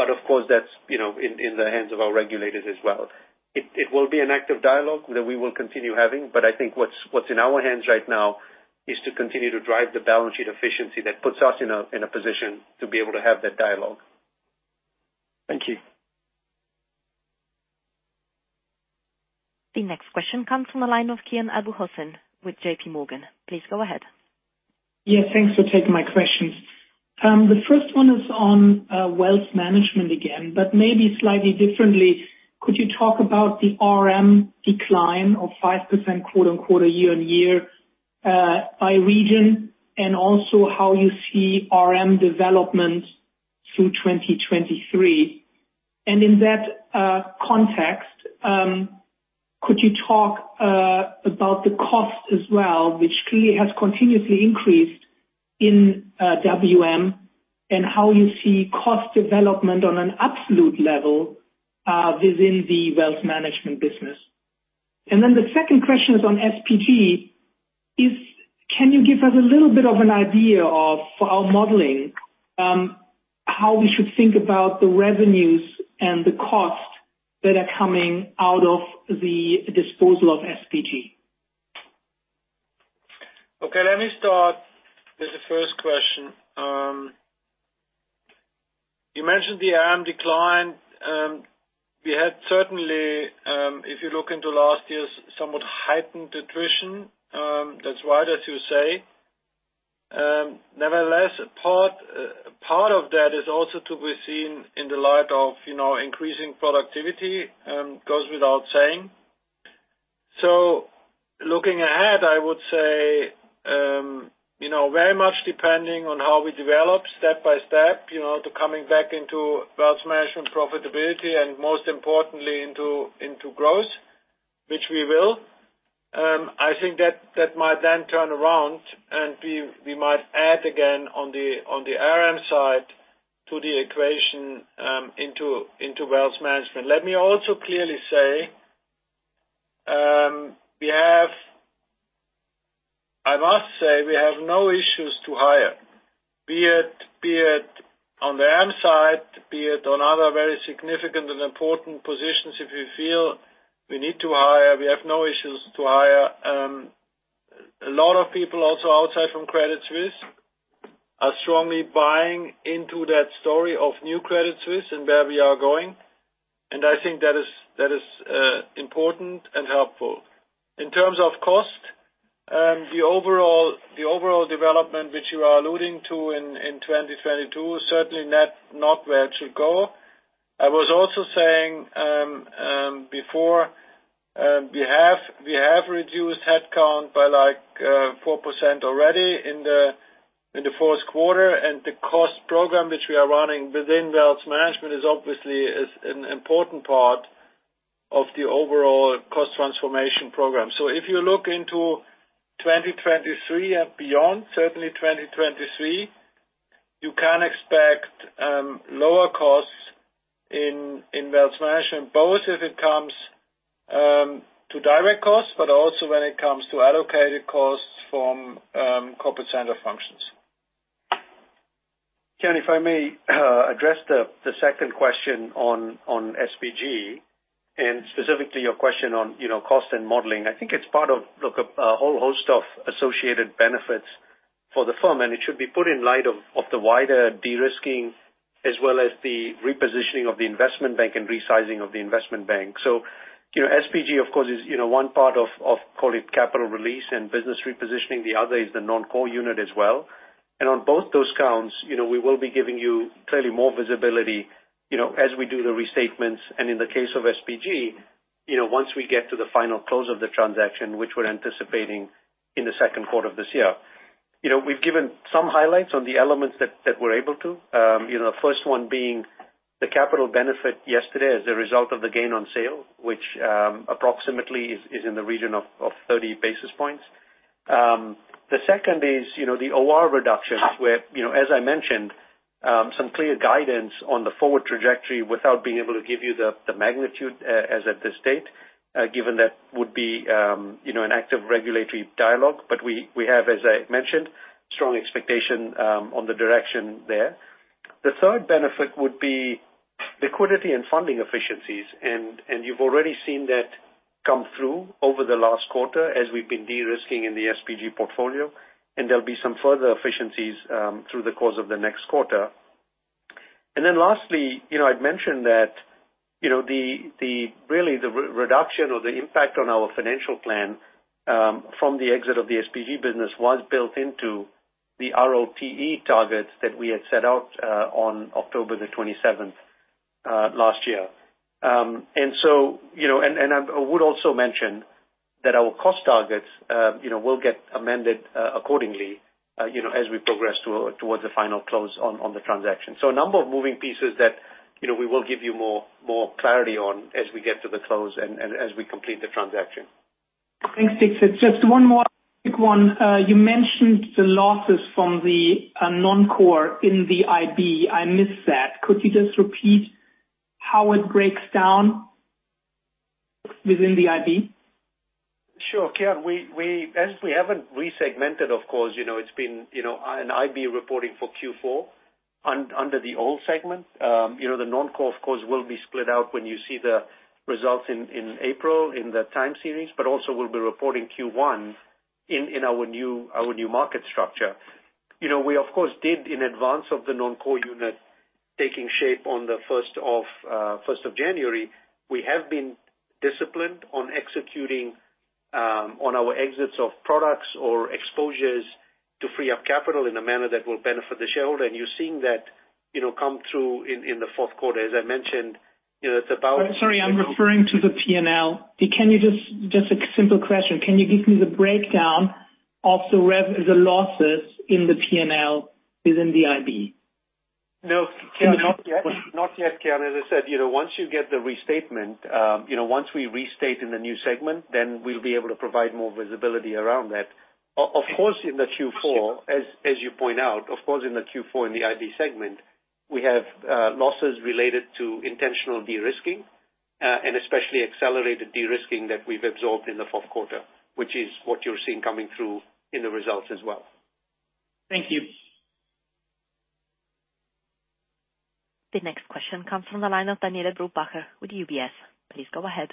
Of course, that's, you know, in the hands of our regulators as well. It will be an active dialogue that we will continue having. I think what's in our hands right now is to continue to drive the balance sheet efficiency that puts us in a position to be able to have that dialogue. Thank you. The next question comes from the line of Kian Abouhossein with J.P. Morgan. Please go ahead. Yeah, thanks for taking my questions. The first one is on wealth management again, but maybe slightly differently. Could you talk about the RM decline of 5% quote-unquote year-on-year by region, and also how you see RM development through 2023? In that context, could you talk about the cost as well, which clearly has continuously increased in WM, and how you see cost development on an absolute level within the wealth management business? Then the second question is on SPG. Can you give us a little bit of an idea of, for our modeling, how we should think about the revenues and the cost that are coming out of the disposal of SPG? Let me start with the first question. You mentioned the RM decline. We had certainly, if you look into last year's somewhat heightened attrition, that's right, as you say. Part of that is also to be seen in the light of, you know, increasing productivity, goes without saying. Looking ahead, I would say, you know, very much depending on how we develop step by step, you know, to coming back into wealth management profitability and most importantly into growth, which we will, I think that might then turn around and we might add again on the RM side to the equation, into wealth management. Let me also clearly say, I must say we have no issues to hire, be it on the RM side, be it on other very significant and important positions. If we feel we need to hire, we have no issues to hire. A lot of people also outside from Credit Suisse are strongly buying into that story of new Credit Suisse and where we are going, and I think that is important and helpful. In terms of cost, the overall development which you are alluding to in 2022, certainly not where it should go. I was also saying, before, we have reduced headcount by 4% already in the fourth quarter. The cost program which we are running within wealth management is obviously an important part of the overall cost transformation program. If you look into 2023 and beyond, certainly 2023, you can expect lower costs in wealth management, both if it comes to direct costs, but also when it comes to allocated costs from corporate center functions. Kian, if I may address the second question on SPG and specifically your question on, you know, cost and modeling. I think it's part of, look, a whole host of associated benefits for the firm, and it should be put in light of the wider de-risking as well as the repositioning of the investment bank and resizing of the investment bank. You know, SPG, of course, is, you know, one part of call it capital release and business repositioning. The other is the non-core unit as well. On both those counts, you know, we will be giving you clearly more visibility, you know, as we do the restatements. In the case of SPG, you know, once we get to the final close of the transaction, which we're anticipating in the second quarter of this year. You know, we've given some highlights on the elements that we're able to. you know, first one being the capital benefit yesterday as a result of the gain on sale, which, approximately is in the region of 30 basis points. The second is, you know, the OR reduction where, you know, as I mentioned, some clear guidance on the forward trajectory without being able to give you the magnitude as at this state, given that would be, you know, an active regulatory dialogue. We have, as I mentioned, strong expectation on the direction there. The third benefit would be liquidity and funding efficiencies and you've already seen that come through over the last quarter as we've been de-risking in the SPG portfolio, and there'll be some further efficiencies through the course of the next quarter. Lastly, you know, I'd mentioned that, you know, the really the reduction or the impact on our financial plan from the exit of the SPG business was built into the RoTE targets that we had set out on October the 27th last year. I would also mention that our cost targets, you know, will get amended accordingly, you know, as we progress towards the final close on the transaction. A number of moving pieces that, you know, we will give you more, more clarity on as we get to the close and as we complete the transaction. Thanks, Dixit. Just one more quick one. You mentioned the losses from the non-core in the IB. I missed that. Could you just repeat how it breaks down within the IB? Sure, Kian. We as we haven't resegmented, of course, you know, it's been, you know, an IB reporting for Q4 under the old segment. You know, the non-core, of course, will be split out when you see the results in April in the time series, but also we'll be reporting Q1 in our new, our new market structure. You know, we of course did in advance of the non-core unit taking shape on the first of January. We have been disciplined on executing on our exits of products or exposures to free up capital in a manner that will benefit the shareholder. You're seeing that, you know, come through in the fourth quarter. As I mentioned, you know. Sorry, I'm referring to the P&L. Can you Just a simple question? Can you give me the breakdown of the losses in the P&L within the IB? No, Kian, not yet. Not yet, Kian. As I said, you know, once you get the restatement, you know, once we restate in the new segment, then we'll be able to provide more visibility around that. In the Q4, as you point out, of course, in the Q4, in the IB segment, we have losses related to intentional de-risking, and especially accelerated de-risking that we've absorbed in the fourth quarter, which is what you're seeing coming through in the results as well. Thank you. The next question comes from the line of Daniele Brupbacher with UBS. Please go ahead.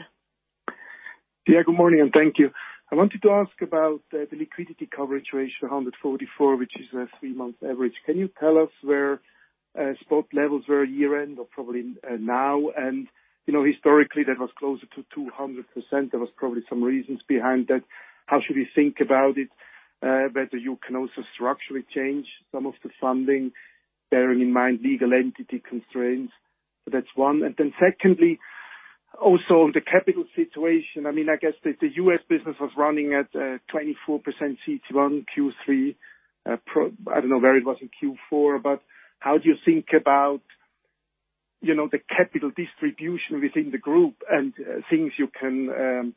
Yeah, good morning, thank you. I wanted to ask about the liquidity coverage ratio, 144, which is a 3-month average. Can you tell us where spot levels were year-end or probably now? You know, historically, that was closer to 200%. There was probably some reasons behind that. How should we think about it? Whether you can also structurally change some of the funding, bearing in mind legal entity constraints. That's one. Secondly, also the capital situation. I mean, I guess the US business was running at 24% CET1 Q3. I don't know where it was in Q4, how do you think about, you know, the capital distribution within the group and things you can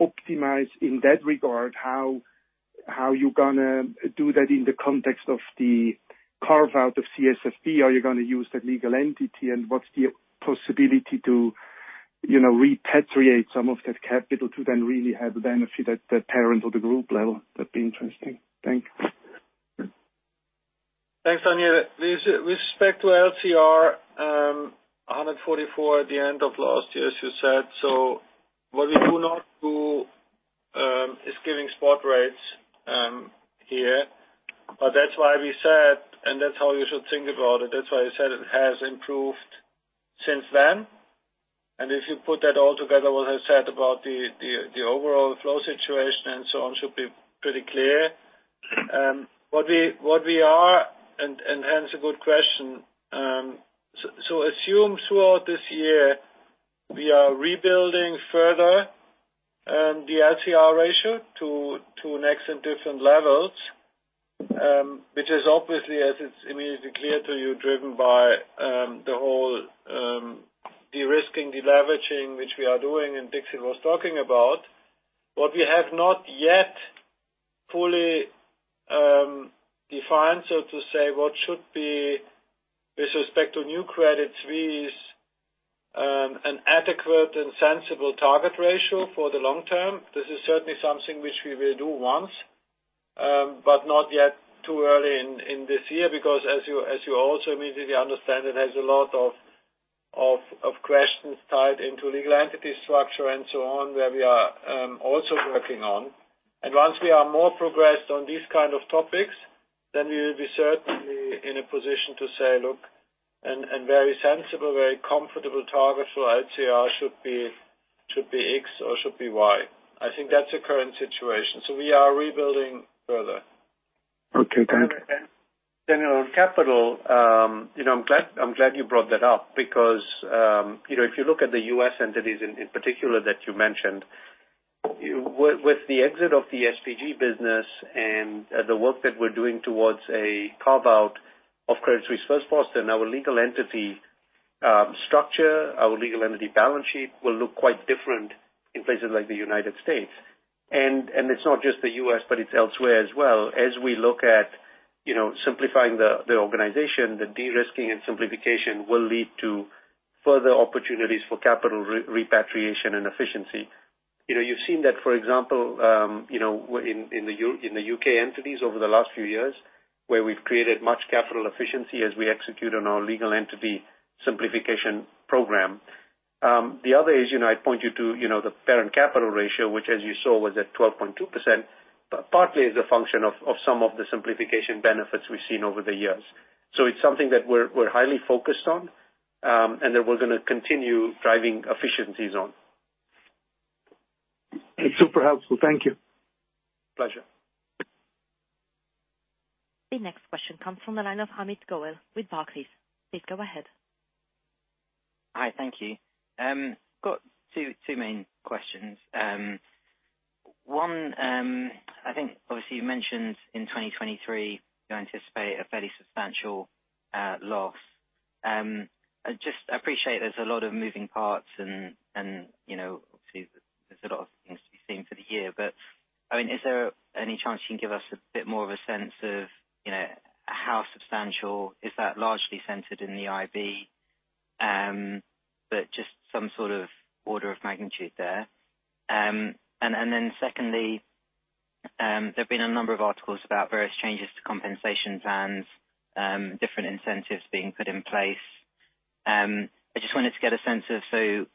optimize in that regard, how you gonna do that in the context of the carve-out of CSFB? Are you gonna use that legal entity? What's the possibility to, you know, repatriate some of that capital to really have the benefit at the parent or the group level? That'd be interesting. Thanks. Thanks, Daniele. With respect to LCR, 144% at the end of last year, as you said. What we do not do is giving spot rates here. That's why we said and that's how you should think about it. That's why I said it has improved since then. If you put that all together, what I said about the overall flow situation and so on should be pretty clear. What we are and hence a good question. Assume throughout this year we are rebuilding further the LCR ratio to next in different levels, which is obviously as it's immediately clear to you, driven by the whole de-risking, de-leveraging which we are doing and Dixit was talking about. What we have not yet fully defined, so to say, what should be with respect to New Credit Suisse, an adequate and sensible target ratio for the long term. This is certainly something which we will do once, but not yet too early in this year because as you also immediately understand, it has a lot of questions tied into legal entity structure and so on, where we are also working on. Once we are more progressed on these kind of topics, then we will be certainly in a position to say, look, very sensible, very comfortable target for LCR should be X or should be Y. I think that's the current situation. We are rebuilding further. Okay, got it. Daniel, on capital, you know, I'm glad, I'm glad you brought that up because, you know, if you look at the U.S. entities in particular that you mentioned, with the exit of the SPG business and the work that we're doing towards a carve-out of Credit Suisse First Boston, our legal entity, structure, our legal entity balance sheet will look quite different in places like the United States. It's not just the U.S., but it's elsewhere as well. As we look at, you know, simplifying the organization, the de-risking and simplification will lead to further opportunities for capital repatriation and efficiency. You know, you've seen that, for example, you know, in the U.K. entities over the last few years, where we've created much capital efficiency as we execute on our legal entity simplification program. The other is, you know, I'd point you to, you know, the parent capital ratio, which as you saw, was at 12.2%, but partly is a function of some of the simplification benefits we've seen over the years. It's something that we're highly focused on, and that we're gonna continue driving efficiencies on. It's super helpful. Thank you. Pleasure. The next question comes from the line of Amit Goel with Barclays. Please go ahead. Hi. Thank you. Got two main questions. One, I think obviously you mentioned in 2023, you anticipate a fairly substantial loss. I just appreciate there's a lot of moving parts, and, you know, obviously there's a lot of things to be seen for the year. I mean, is there any chance you can give us a bit more of a sense of, you know, how substantial is that largely centered in the IB? Just some sort of order of magnitude there. Then secondly, there have been a number of articles about various changes to compensation plans, different incentives being put in place. I just wanted to get a sense of, so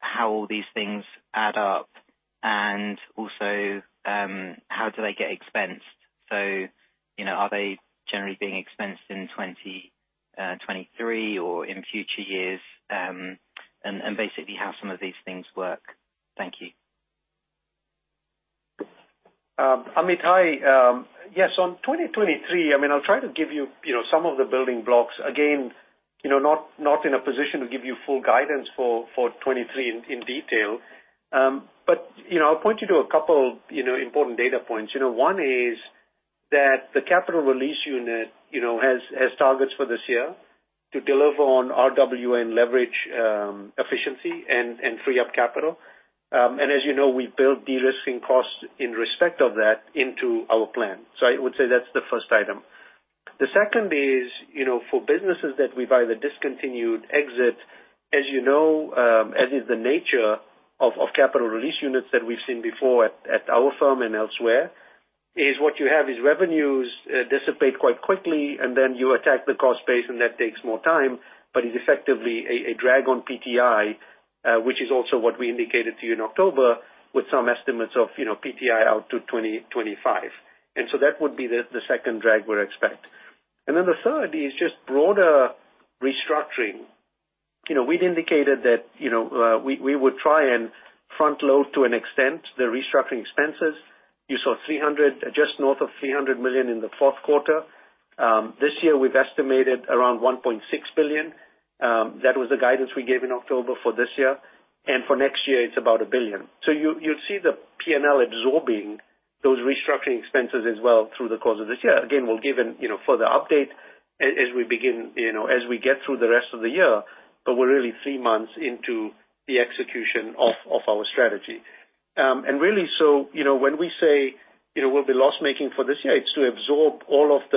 how all these things add up, and also, how do they get expensed? You know, are they generally being expensed in 2023 or in future years? And basically how some of these things work. Thank you. Amit, hi. Yes, on 2023, I mean, I'll try to give you know, some of the building blocks. Again, you know, not in a position to give you full guidance for 2023 in detail. But, you know, I'll point you to a couple, you know, important data points. You know, one is that the Capital Release Unit, you know, has targets for this year to deliver on RWA and leverage, efficiency and free up capital. And as you know, we build de-risking costs in respect of that into our plan. I would say that's the first item. The second is, you know, for businesses that we've either discontinued, exit, as you know, as is the nature of Capital Release Units that we've seen before at our firm and elsewhere, is what you have is revenues dissipate quite quickly, and then you attack the cost base, and that takes more time, but is effectively a drag on PTI, which is also what we indicated to you in October with some estimates of, you know, PTI out to 2025. That would be the second drag we're expect. The third is just broader restructuring. You know, we'd indicated that, you know, we would try and front load to an extent the restructuring expenses. You saw 300 million, just north of 300 million in the fourth quarter. This year, we've estimated around 1.6 billion. That was the guidance we gave in October for this year. For next year, it's about 1 billion. You, you'll see the P&L absorbing those restructuring expenses as well through the course of this year. Again, we'll give a, you know, further update as we begin, you know, as we get through the rest of the year, but we're really three months into the execution of our strategy. Really, you know, when we say, you know, we'll be loss-making for this year, it's to absorb all of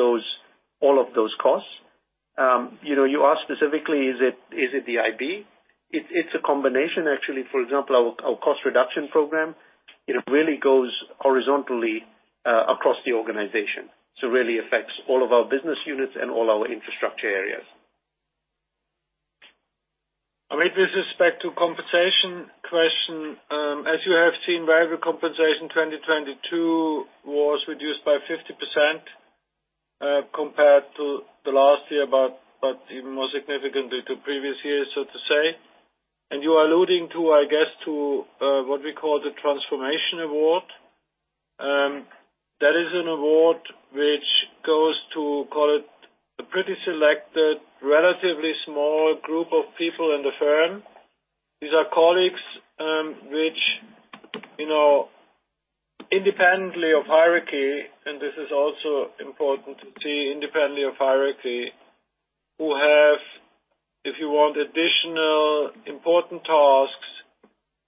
those costs. You know, you asked specifically is it the IB? It's a combination actually. For example, our cost reduction program, it really goes horizontally across the organization. Really affects all of our business units and all our infrastructure areas. Amit, with respect to compensation question, as you have seen, variable compensation 2022 was reduced by 50% compared to the last year, but even more significantly to previous years, so to say. You are alluding to, I guess, to what we call the transformation award. That is an award which goes to, call it, a pretty selected, relatively small group of people in the firm. These are colleagues, which, you know, independently of hierarchy, and this is also important to see independently of hierarchy, who have, if you want, additional important tasks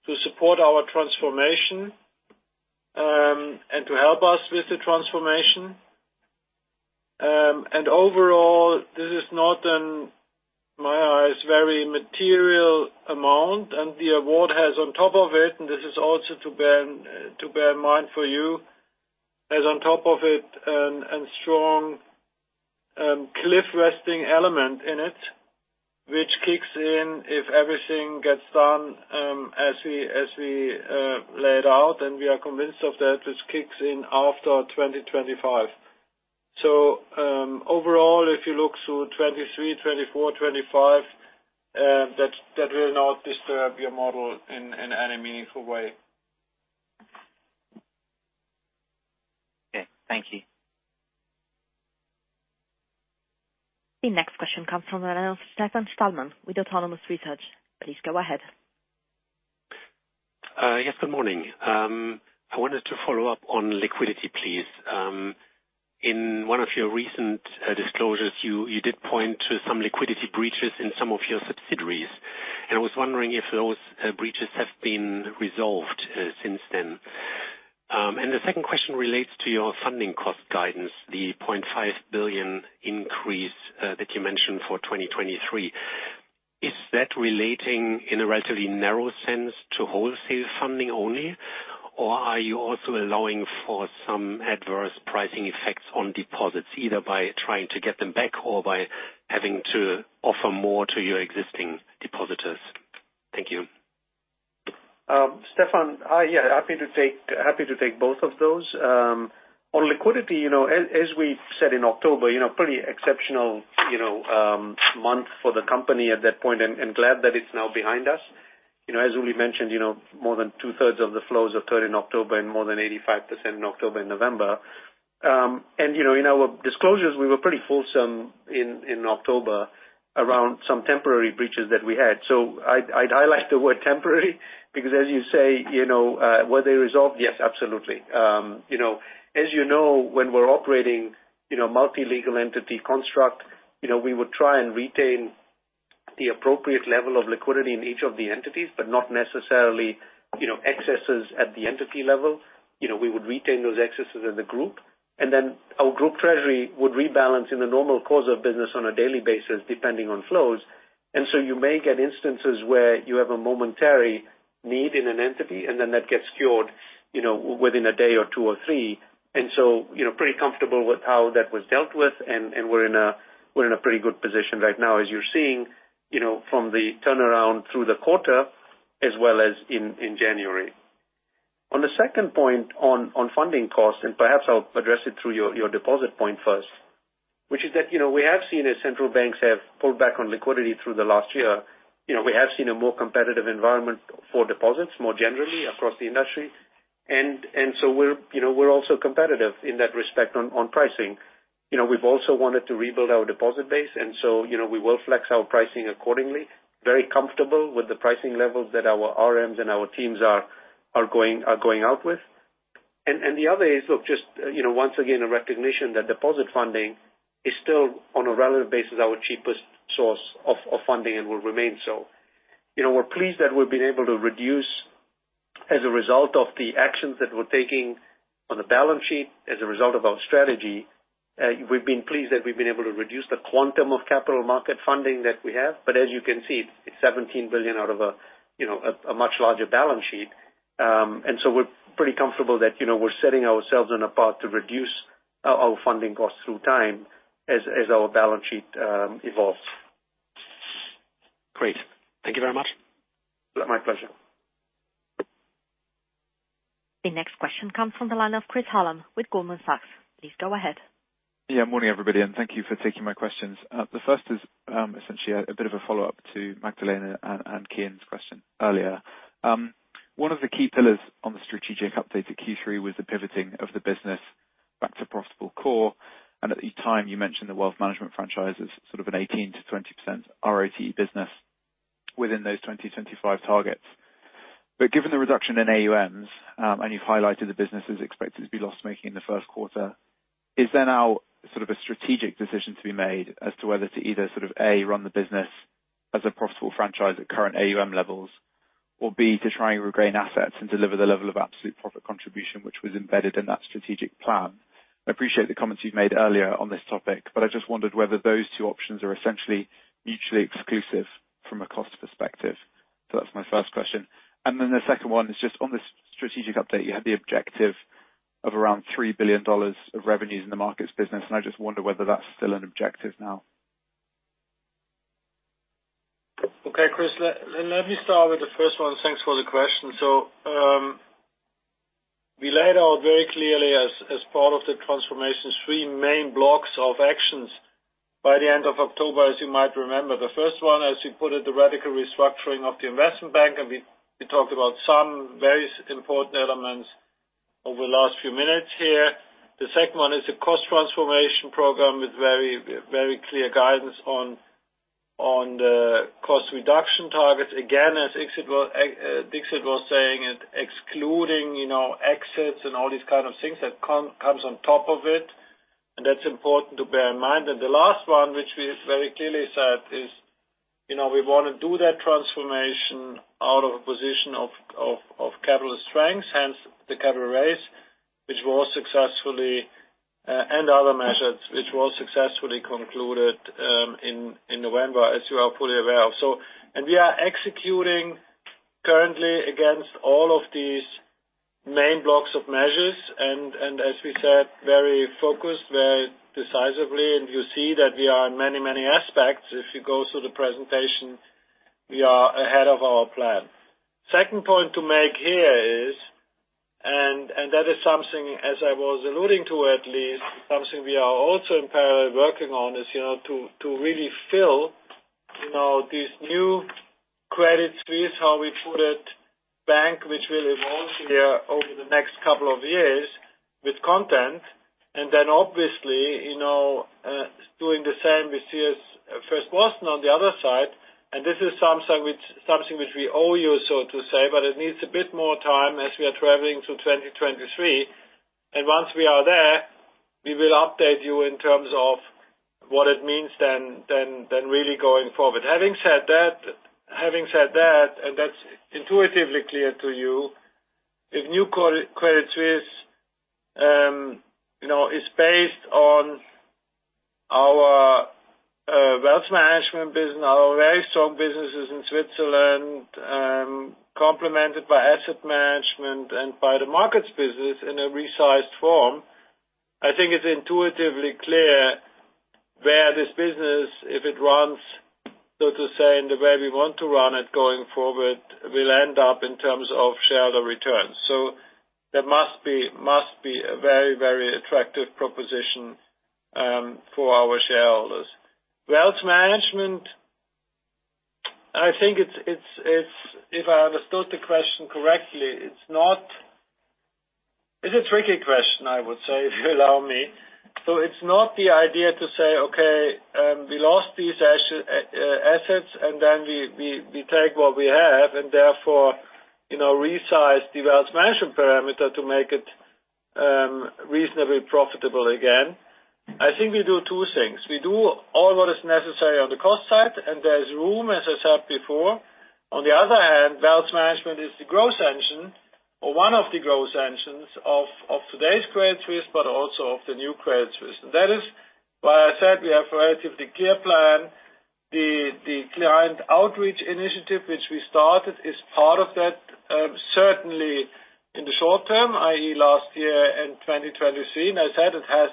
to support our transformation, and to help us with the transformation. Overall, this is not an, in my eyes, very material amount, and the award has on top of it, and this is also to bear in mind for you, has on top of it an strong cliff-vesting element in it, which kicks in if everything gets done as we laid out, and we are convinced of that, which kicks in after 2025. Overall, if you look through 2023, 2024, 2025, that will not disturb your model in any meaningful way. Okay, thank you. The next question comes from the line of Stefan Stalmann with Autonomous Research. Please go ahead. Yes, good morning. I wanted to follow up on liquidity, please. In one of your recent disclosures, you did point to some liquidity breaches in some of your subsidiaries. I was wondering if those breaches have been resolved since then. The second question relates to your funding cost guidance, the 0.5 billion increase that you mentioned for 2023. Is that relating in a relatively narrow sense to wholesale funding only, or are you also allowing for some adverse pricing effects on deposits, either by trying to get them back or by having to offer more to your existing depositors? Thank you. Stefan, happy to take both of those. On liquidity, you know, as we said in October, you know, pretty exceptional, you know, month for the company at that point, and glad that it's now behind us. You know, as we mentioned, you know, more than two-thirds of the flows occurred in October and more than 85% in October and November. In our disclosures, we were pretty fulsome in October around some temporary breaches that we had. I'd highlight the word temporary because as you say, you know, were they resolved? Yes, absolutely. You know, as you know, when we're operating, you know, multi legal entity construct, you know, we would try and retain the appropriate level of liquidity in each of the entities, but not necessarily, you know, excesses at the entity level. You know, we would retain those excesses in the group, and then our group treasury would rebalance in the normal course of business on a daily basis, depending on flows. You may get instances where you have a momentary need in an entity and then that gets cured, you know, within a day or two or three. Pretty comfortable with how that was dealt with and we're in a pretty good position right now as you're seeing, you know, from the turnaround through the quarter as well as in January. On the second point on funding costs. Perhaps I'll address it through your deposit point first, which is that, you know, we have seen as central banks have pulled back on liquidity through the last year. You know, we have seen a more competitive environment for deposits more generally across the industry. We're, you know, we're also competitive in that respect on pricing. You know, we've also wanted to rebuild our deposit base and so, you know, we will flex our pricing accordingly. Very comfortable with the pricing levels that our RMs and our teams are going out with. The other is, look, just, you know, once again, a recognition that deposit funding is still on a relative basis, our cheapest source of funding and will remain so. You know, we're pleased that we've been able to reduce as a result of the actions that we're taking on the balance sheet as a result of our strategy. We've been pleased that we've been able to reduce the quantum of capital market funding that we have, but as you can see, it's 17 billion out of a, you know, a much larger balance sheet. We're pretty comfortable that, you know, we're setting ourselves on a path to reduce our funding costs through time as our balance sheet evolves. Great. Thank you very much. My pleasure. The next question comes from the line of Chris Hallam with Goldman Sachs. Please go ahead. Yeah, morning, everybody, and thank you for taking my questions. The first is essentially a bit of a follow-up to Magdalena and Kian's question earlier. One of the key pillars on the strategic update to Q3 was the pivoting of the business back to profitable core, and at the time you mentioned the wealth management franchise as sort of an 18%-20% RoTE business within those 2025 targets. Given the reduction in AUMs, and you've highlighted the business is expected to be loss-making in the first quarter, is there now sort of a strategic decision to be made as to whether to either sort of A, run the business as a profitable franchise at current AUM levels, or B, to try and regain assets and deliver the level of absolute profit contribution which was embedded in that strategic plan? I appreciate the comments you've made earlier on this topic, but I just wondered whether those two options are essentially mutually exclusive from a cost perspective. That's my first question. The second one is just on the strategic update, you had the objective of around $3 billion of revenues in the markets business, and I just wonder whether that's still an objective now. Okay, Chris, let me start with the first one. Thanks for the question. We laid out very clearly as part of the transformation three main blocks of actions by the end of October, as you might remember. The first one, as you put it, the radical restructuring of the investment bank, and we talked about some very important elements over the last few minutes here. The second one is the cost transformation program with very clear guidance on the cost reduction targets. Again, as Dixit was saying it, excluding, you know, exits and all these kind of things that comes on top of it, and that's important to bear in mind. The last one, which we very clearly said is, you know, we wanna do that transformation out of a position of capital strength, hence the capital raise, which was successfully and other measures which was successfully concluded in November, as you are fully aware of. We are executing currently against all of these main blocks of measures and as we said, very focused, very decisively, and you see that we are in many aspects, if you go through the presentation, we are ahead of our plan. Second point to make here is, that is something, as I was alluding to at least, something we are also in parallel working on is, you know, to really fill, you know, these This is how we put it, bank which will evolve here over the next couple of years with content, and then obviously, you know, doing the same with CS First Boston on the other side. This is something which we owe you, so to say, but it needs a bit more time as we are traveling through 2023. Once we are there, we will update you in terms of what it means then really going forward. Having said that, That's intuitively clear to you, if new Credit Suisse, you know, is based on our wealth management business, our very strong businesses in Switzerland, complemented by asset management and by the markets business in a resized form, I think it's intuitively clear where this business, if it runs, so to say, in the way we want to run it going forward, will end up in terms of shareholder returns. That must be a very, very attractive proposition for our shareholders. Wealth management, I think it's if I understood the question correctly. It's a tricky question, I would say, if you allow me. It's not the idea to say, okay, we lost these assets, and then we take what we have and therefore, you know, resize the wealth management parameter to make it reasonably profitable again. I think we do two things. We do all what is necessary on the cost side, and there's room, as I said before. On the other hand, wealth management is the growth engine or one of the growth engines of today's Credit Suisse, but also of the new Credit Suisse. That is why I said we have relatively clear plan. The client outreach initiative, which we started is part of that, certainly in the short term, i.e., last year and 2023. I said it has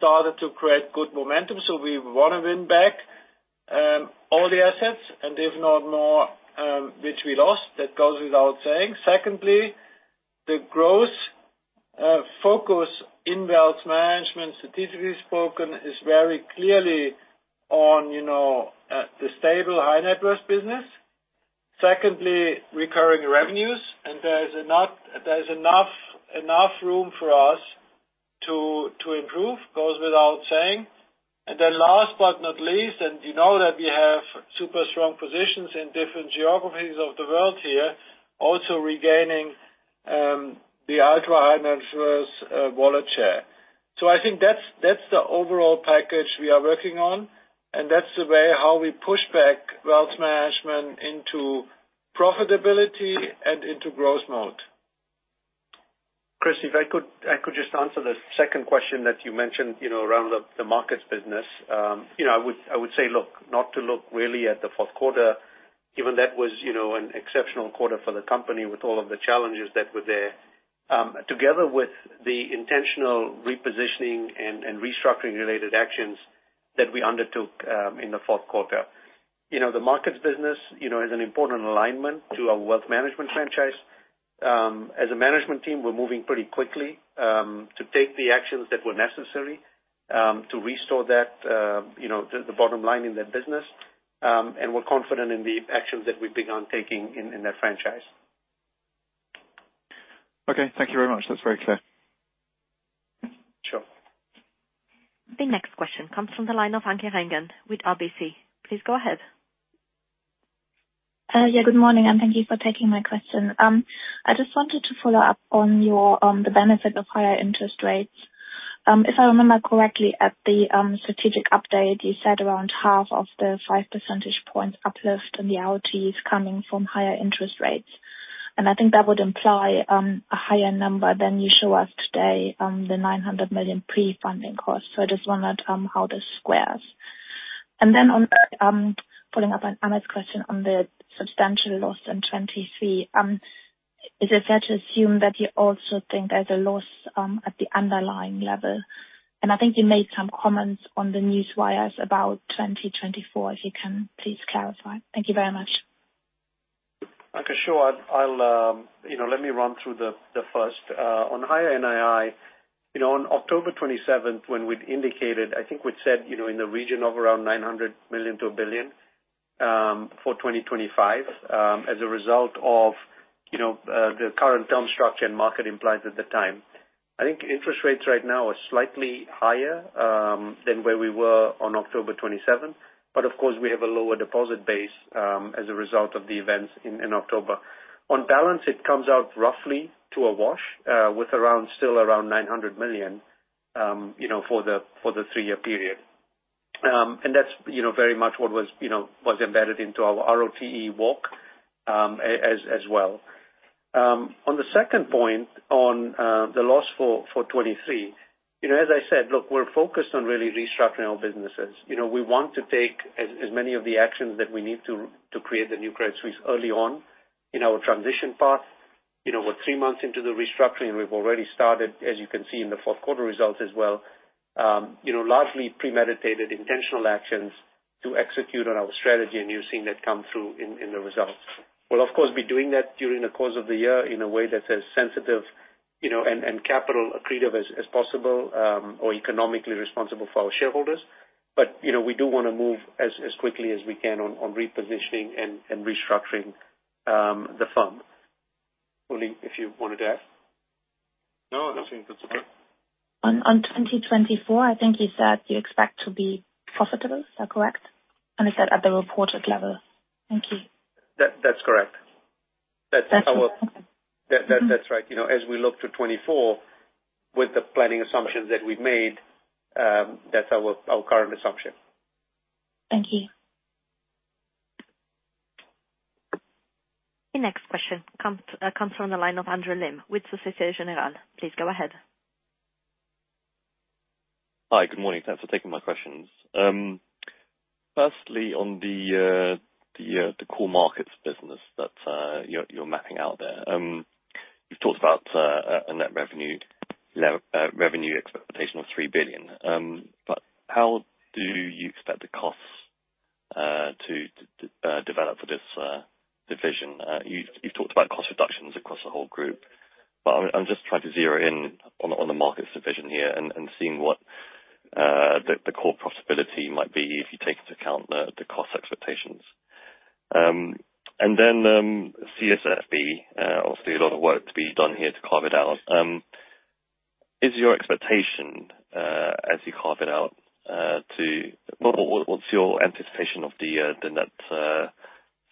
started to create good momentum. We want to win back all the assets and if not more, which we lost, that goes without saying. The growth focus in wealth management, strategically spoken, is very clearly on, you know, the stable high-net-worth business. Recurring revenues, there is enough room for us to improve, goes without saying. Last but not least, you know that we have super strong positions in different geographies of the world here, also regaining the ultra-high-net-worth wallet share. I think that's the overall package we are working on, that's the way how we push back wealth management into profitability and into growth mode. Chris, if I could just answer the second question that you mentioned, you know, around the markets business. You know, I would say, look, not to look really at the fourth quarter, given that was, you know, an exceptional quarter for the company with all of the challenges that were there, together with the intentional repositioning and restructuring-related actions that we undertook in the fourth quarter. You know, the markets business is an important alignment to our wealth management franchise. As a management team, we're moving pretty quickly to take the actions that were necessary to restore that, you know, the bottom line in that business. We're confident in the actions that we've begun taking in that franchise. Okay. Thank you very much. That's very clear. Sure. The next question comes from the line of Anke Reingen with RBC. Please go ahead. Good morning, and thank you for taking my question. I just wanted to follow up on your the benefit of higher interest rates. If I remember correctly at the strategic update, you said around half of the 5 percentage point uplift in the RoTE is coming from higher interest rates. I think that would imply a higher number than you show us today on the 900 million pre-funding costs. I just wondered how this squares. On following up on Amit's question on the substantial loss in 23, is it fair to assume that you also think there's a loss at the underlying level? I think you made some comments on the news wires about 2024, if you can please clarify. Thank you very much. Anke, sure. I'll, you know, let me run through the first. On higher NII, you know, on October 27th, when we'd indicated, I think we'd said, you know, in the region of around 900 million to 1 billion for 2025, as a result of, you know, the current term structure and market implies at the time. I think interest rates right now are slightly higher than where we were on October 27th, but of course, we have a lower deposit base as a result of the events in October. On balance, it comes out roughly to a wash with around, still around 900 million, you know, for the three-year period. That's, you know, very much what was, you know, was embedded into our RoTE walk as well. On the second point on the loss for 2023, you know, as I said, look, we're focused on really restructuring our businesses. You know, we want to take as many of the actions that we need to create the new Credit Suisse early on in our transition path. You know, we're three months into the restructuring. We've already started, as you can see in the fourth quarter results as well, you know, largely premeditated intentional actions to execute on our strategy. You're seeing that come through in the results. We'll, of course, be doing that during the course of the year in a way that's as sensitive, you know, and capital accretive as possible, or economically responsible for our shareholders. You know, we do wanna move as quickly as we can on repositioning and restructuring the firm. Ulrich, if you wanted to add. No, I think that's okay. On 2024, I think you said you expect to be profitable. Is that correct? Is that at the reported level? Thank you. That's correct. Okay. That's right. You know, as we look to 2024 with the planning assumptions that we've made, that's our current assumption. Thank you. The next question comes from the line of Andrew Lim with Societe Generale. Please go ahead. Hi, good morning. Thanks for taking my questions. Firstly on the core markets business that you're mapping out there. You've talked about a net revenue expectation of 3 billion. But how do you expect the costs to develop for this division? You've talked about cost reductions across the whole group, but I'm just trying to zero in on the markets division here and seeing what the core profitability might be if you take into account the cost expectations. And then CSFB, obviously a lot of work to be done here to carve it out. Is your expectation as you carve it out to... What's your anticipation of the net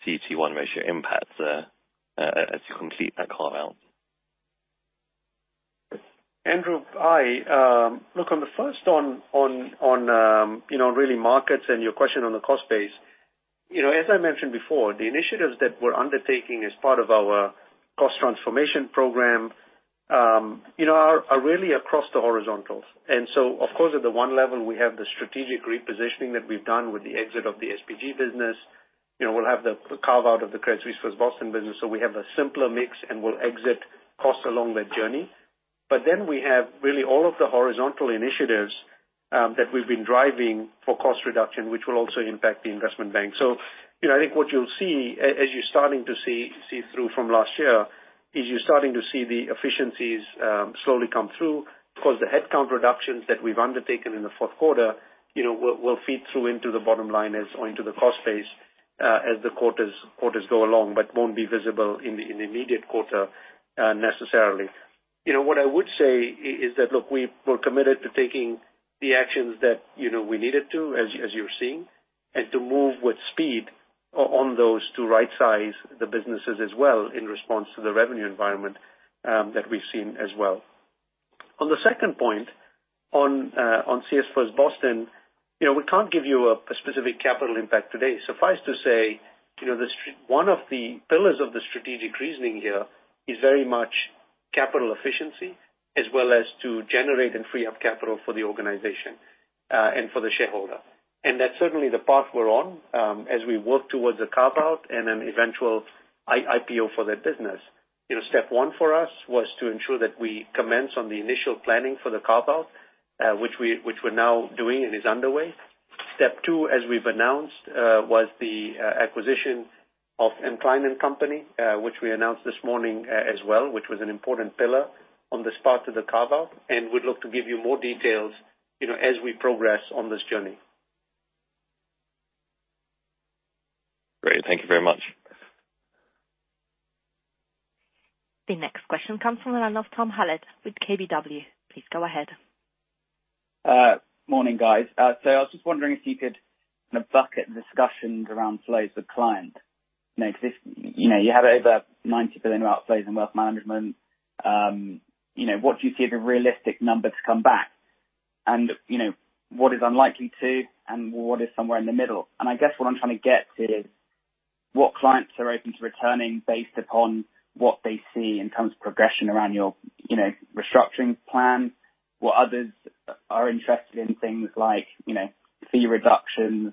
CET1 ratio impact as you complete that carve-out? Andrew, hi. Look on the first on, you know, really markets and your question on the cost base. You know, as I mentioned before, the initiatives that we're undertaking as part of our cost transformation program, you know, are really across the horizontals. Of course at the one level we have the strategic repositioning that we've done with the exit of the SPG business. You know, we'll have the carve-out of the CS First Boston business, so we have a simpler mix and we'll exit costs along that journey. We have really all of the horizontal initiatives that we've been driving for cost reduction, which will also impact the investment bank. You know, I think what you'll see as you're starting to see through from last year, is you're starting to see the efficiencies slowly come through because the headcount reductions that we've undertaken in the fourth quarter, you know, will feed through into the bottom line or into the cost base as the quarters go along, but won't be visible in the immediate quarter necessarily. You know, what I would say is that, look, we're committed to taking the actions that, you know, we needed to, as you're seeing, and to move with speed on those to right-size the businesses as well in response to the revenue environment that we've seen as well. On the second point on CS First Boston, you know, we can't give you a specific capital impact today. Suffice to say, you know, one of the pillars of the strategic reasoning here is very much capital efficiency as well as to generate and free up capital for the organization, and for the shareholder. That's certainly the path we're on, as we work towards a carve-out and an eventual IPO for that business. You know, step one for us was to ensure that we commence on the initial planning for the carve-out, which we're now doing and is underway. Step two, as we've announced, was the acquisition of M. Klein & Company, which we announced this morning as well, which was an important pillar on this path to the carve-out, and we look to give you more details, you know, as we progress on this journey. Great. Thank you very much. The next question comes from the line of Tom Hallett with KBW. Please go ahead. Morning, guys. I was just wondering if you could kind of bucket the discussions around flows of client. You know, 'cause if, you know, you have over $90 billion flows in wealth management, you know, what do you see as a realistic number to come back? You know, what is unlikely to and what is somewhere in the middle? I guess what I'm trying to get is what clients are open to returning based upon what they see in terms of progression around your, you know, restructuring plan, what others are interested in things like, you know, fee reductions,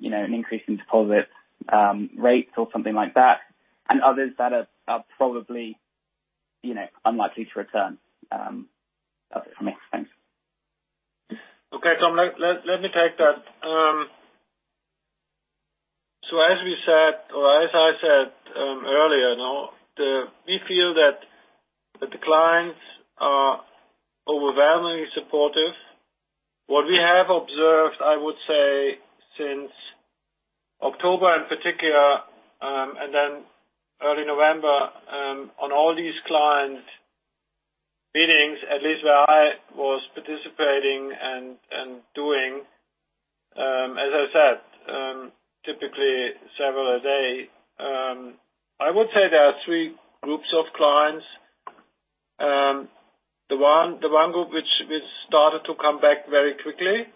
you know, an increase in deposit, rates or something like that, and others that are probably, you know, unlikely to return for me? Thanks. Okay, Tom, let me take that. As we said or as I said, earlier, you know, we feel that the clients are overwhelmingly supportive. What we have observed, I would say since October in particular, and then early November, on all these client meetings at least where I was participating and doing, as I said, typically several a day, I would say there are three groups of clients. The one group which started to come back very quickly,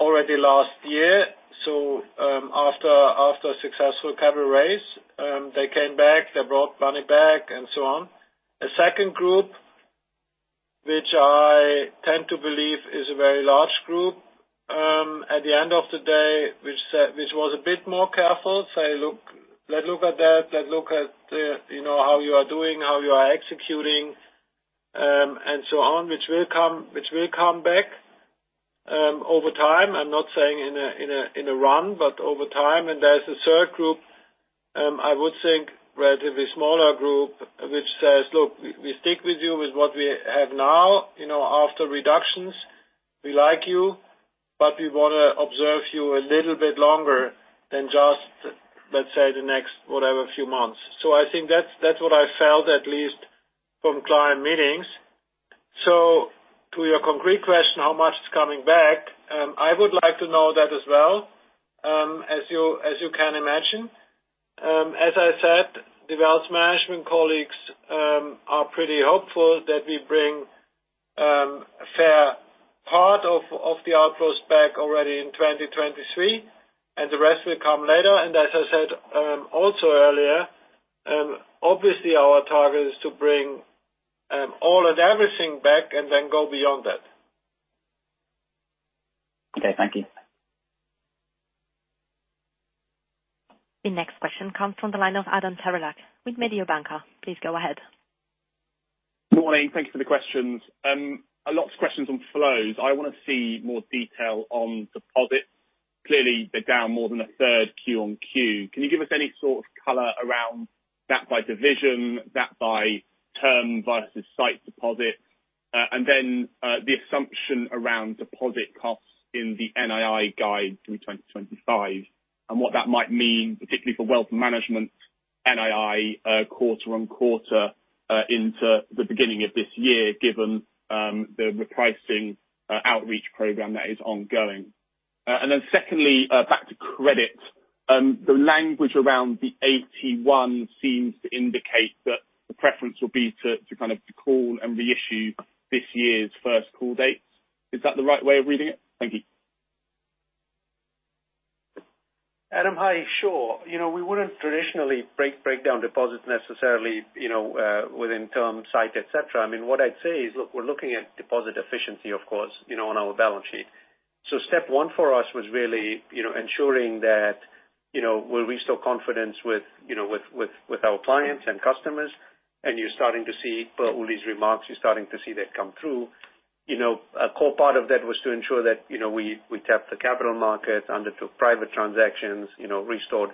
already last year. After a successful capital raise, they came back, they brought money back and so on. A second group, which I tend to believe is a very large group, at the end of the day, which was a bit more careful. Say, look, let look at that, let look at, you know, how you are doing, how you are executing, and so on, which will come, which will come back, over time. I'm not saying in a, in a, in a run, but over time. There's a third group, I would think relatively smaller Which says, look, we stick with you with what we have now, you know, after reductions, we like you, but we wanna observe you a little bit longer than just, let's say, the next, whatever, few months. I think that's what I felt, at least from client meetings. To your concrete question, how much is coming back, I would like to know that as well, as you, as you can imagine. As I said, the wealth management colleagues, are pretty hopeful that we bring, a fair part of the outflows back already in 2023, and the rest will come later. As I said, also earlier, obviously our target is to bring, all and everything back and then go beyond that. Okay. Thank you. The next question comes from the line of Adam Terelak with Mediobanca. Please go ahead. Good morning. Thank you for the questions. A lot of questions on flows. I wanna see more detail on deposits. Clearly, they're down more than a third Q on Q. Can you give us any sort of color around that by division, that by term versus site deposits? The assumption around deposit costs in the NII guide through 2025, and what that might mean, particularly for wealth management NII, quarter-on-quarter, into the beginning of this year, given the repricing outreach program that is ongoing. Secondly, back to credit, the language around the AT1 seems to indicate that the preference will be to kind of recall and reissue this year's first call dates. Is that the right way of reading it? Thank you. Adam. Hi. Sure. You know, we wouldn't traditionally break down deposits necessarily, you know, within term site, et cetera. I mean, what I'd say is, look, we're looking at deposit efficiency, of course, you know, on our balance sheet. Step one for us was really, you know, ensuring that, you know, will we restore confidence with, you know, with our clients and customers, and you're starting to see all these remarks, you're starting to see that come through. You know, a core part of that was to ensure that, you know, we tapped the capital market, undertook private transactions, you know, restored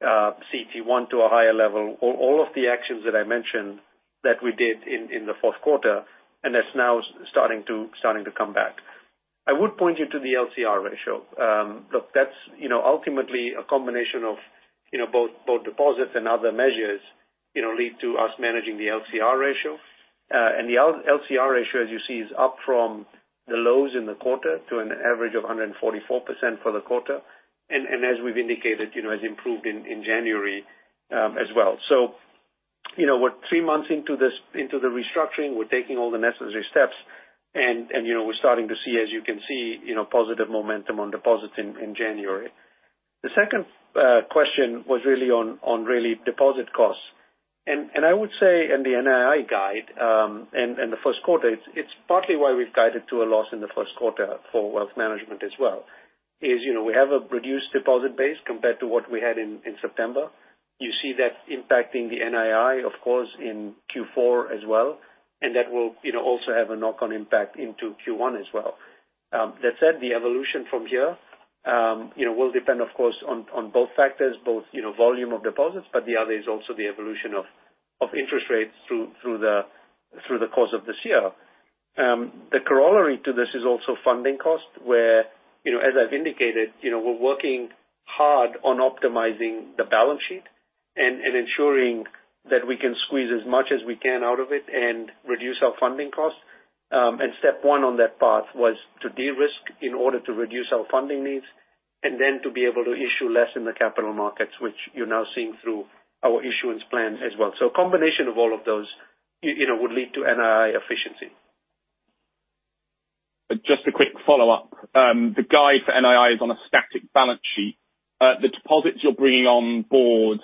CET1 to a higher level, all of the actions that I mentioned that we did in the fourth quarter, and that's now starting to come back. I would point you to the LCR ratio. Look, that's, you know, ultimately a combination of, you know, both deposits and other measures, you know, lead to us managing the LCR ratio. The LCR ratio, as you see, is up from the lows in the quarter to an average of 144% for the quarter. As we've indicated, you know, has improved in January as well. You know, we're three months into this, into the restructuring. We're taking all the necessary steps and you know, we're starting to see, as you can see, you know, positive momentum on deposits in January. The second question was really on really deposit costs. I would say in the NII guide, and the first quarter, it's partly why we've guided to a loss in the first quarter for wealth management as well, is, you know, we have a reduced deposit base compared to what we had in September. You see that impacting the NII, of course, in Q4 as well. That will, you know, also have a knock on impact into Q1 as well. That said, the evolution from here, you know, will depend of course on both factors, both, you know, volume of deposits, but the other is also the evolution of interest rates through the course of this year. The corollary to this is also funding costs, where, you know, as I've indicated, you know, we're working hard on optimizing the balance sheet and ensuring that we can squeeze as much as we can out of it and reduce our funding costs. Step one on that path was to de-risk in order to reduce our funding needs and then to be able to issue less in the capital markets, which you're now seeing through our issuance plans as well. A combination of all of those you know, would lead to NII efficiency. Just a quick follow-up. The guide for NII is on a static balance sheet. The deposits you're bringing on board,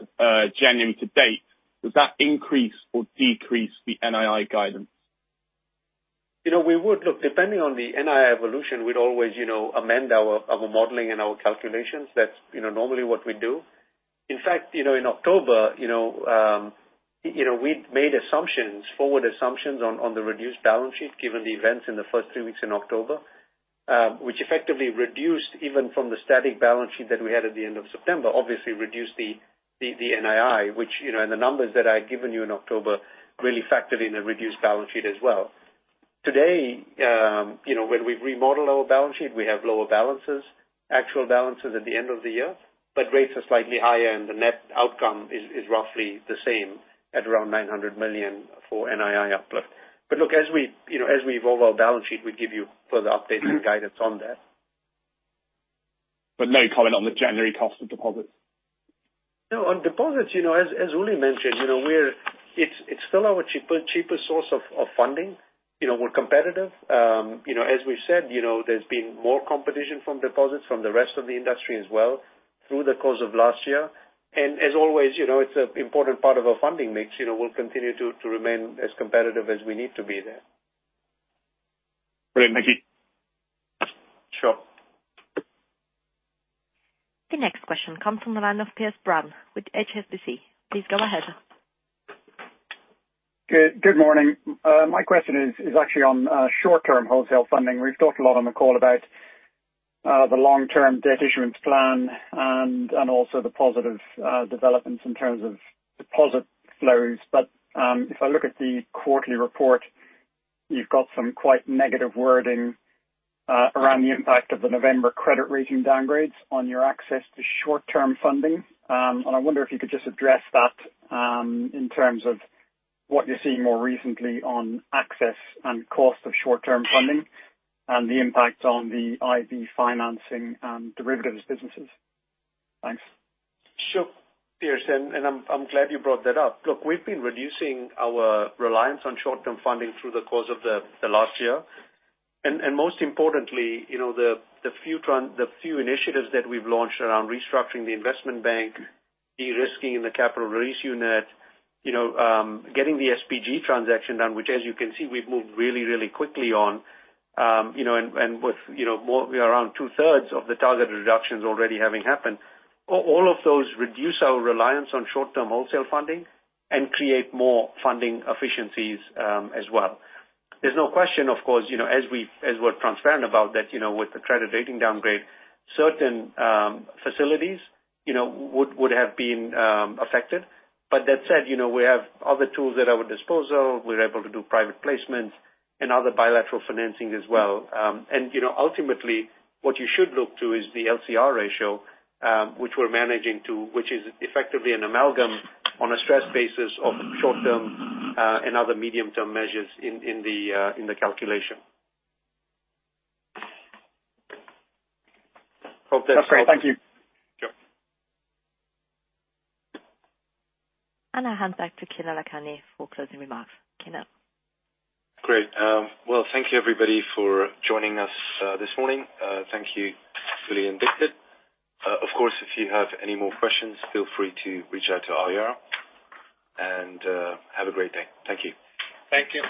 January to date, does that increase or decrease the NII guidance? You know, we would look, depending on the NII evolution, we'd always, you know, amend our modeling and our calculations. That's, you know, normally what we do. In fact, you know, in October, you know, we'd made assumptions, forward assumptions on the reduced balance sheet given the events in the first three weeks in October, which effectively reduced even from the static balance sheet that we had at the end of September, obviously reduced the NII, which, you know, and the numbers that I'd given you in October really factored in a reduced balance sheet as well. Today, you know, when we've remodeled our balance sheet, we have lower balances, actual balances at the end of the year, but rates are slightly higher and the net outcome is roughly the same at around 900 million for NII uplift. Look, as we, you know, as we evolve our balance sheet, we give you further updates and guidance on that. No comment on the January cost of deposits? No. On deposits, you know, as Uli mentioned, you know, it's still our cheaper source of funding. You know, we're competitive. You know, as we've said, you know, there's been more competition from deposits from the rest of the industry as well through the course of last year. As always, you know, it's an important part of our funding mix. You know, we'll continue to remain as competitive as we need to be there. Great. Thank you. Sure. The next question comes from the line of Piers Brown with HSBC. Please go ahead. Good morning. My question is actually on short-term wholesale funding. We've talked a lot on the call about the long-term debt issuance plan and also the positive developments in terms of deposit flows. If I look at the quarterly report, you've got some quite negative wording around the impact of the November credit rating downgrades on your access to short-term funding. I wonder if you could just address that in terms of what you're seeing more recently on access and cost of short-term funding and the impact on the IB financing and derivatives businesses. Thanks. Sure, Piers, I'm glad you brought that up. Look, we've been reducing our reliance on short-term funding through the course of the last year. Most importantly, you know, the few initiatives that we've launched around restructuring the investment bank, de-risking the Capital Release Unit, getting the SPG transaction done, which as you can see, we've moved quickly on. With more, we are around two-thirds of the targeted reductions already having happened. All of those reduce our reliance on short-term wholesale funding and create more funding efficiencies as well. There's no question, of course, as we're transparent about that, with the credit rating downgrade, certain facilities would have been affected. That said, you know, we have other tools at our disposal. We're able to do private placements and other bilateral financing as well. You know, ultimately, what you should look to is the LCR ratio, which we're managing to, which is effectively an amalgam on a stress basis of short-term, and other medium-term measures in the calculation. Hope that's helpful. That's great. Thank you. Sure. I'll hand back to Kinner Lakhani for closing remarks. Kinner. Great. Well, thank you everybody for joining us this morning. Thank you, Julien and Victor. Of course, if you have any more questions, feel free to reach out to IR. Have a great day. Thank you. Thank you.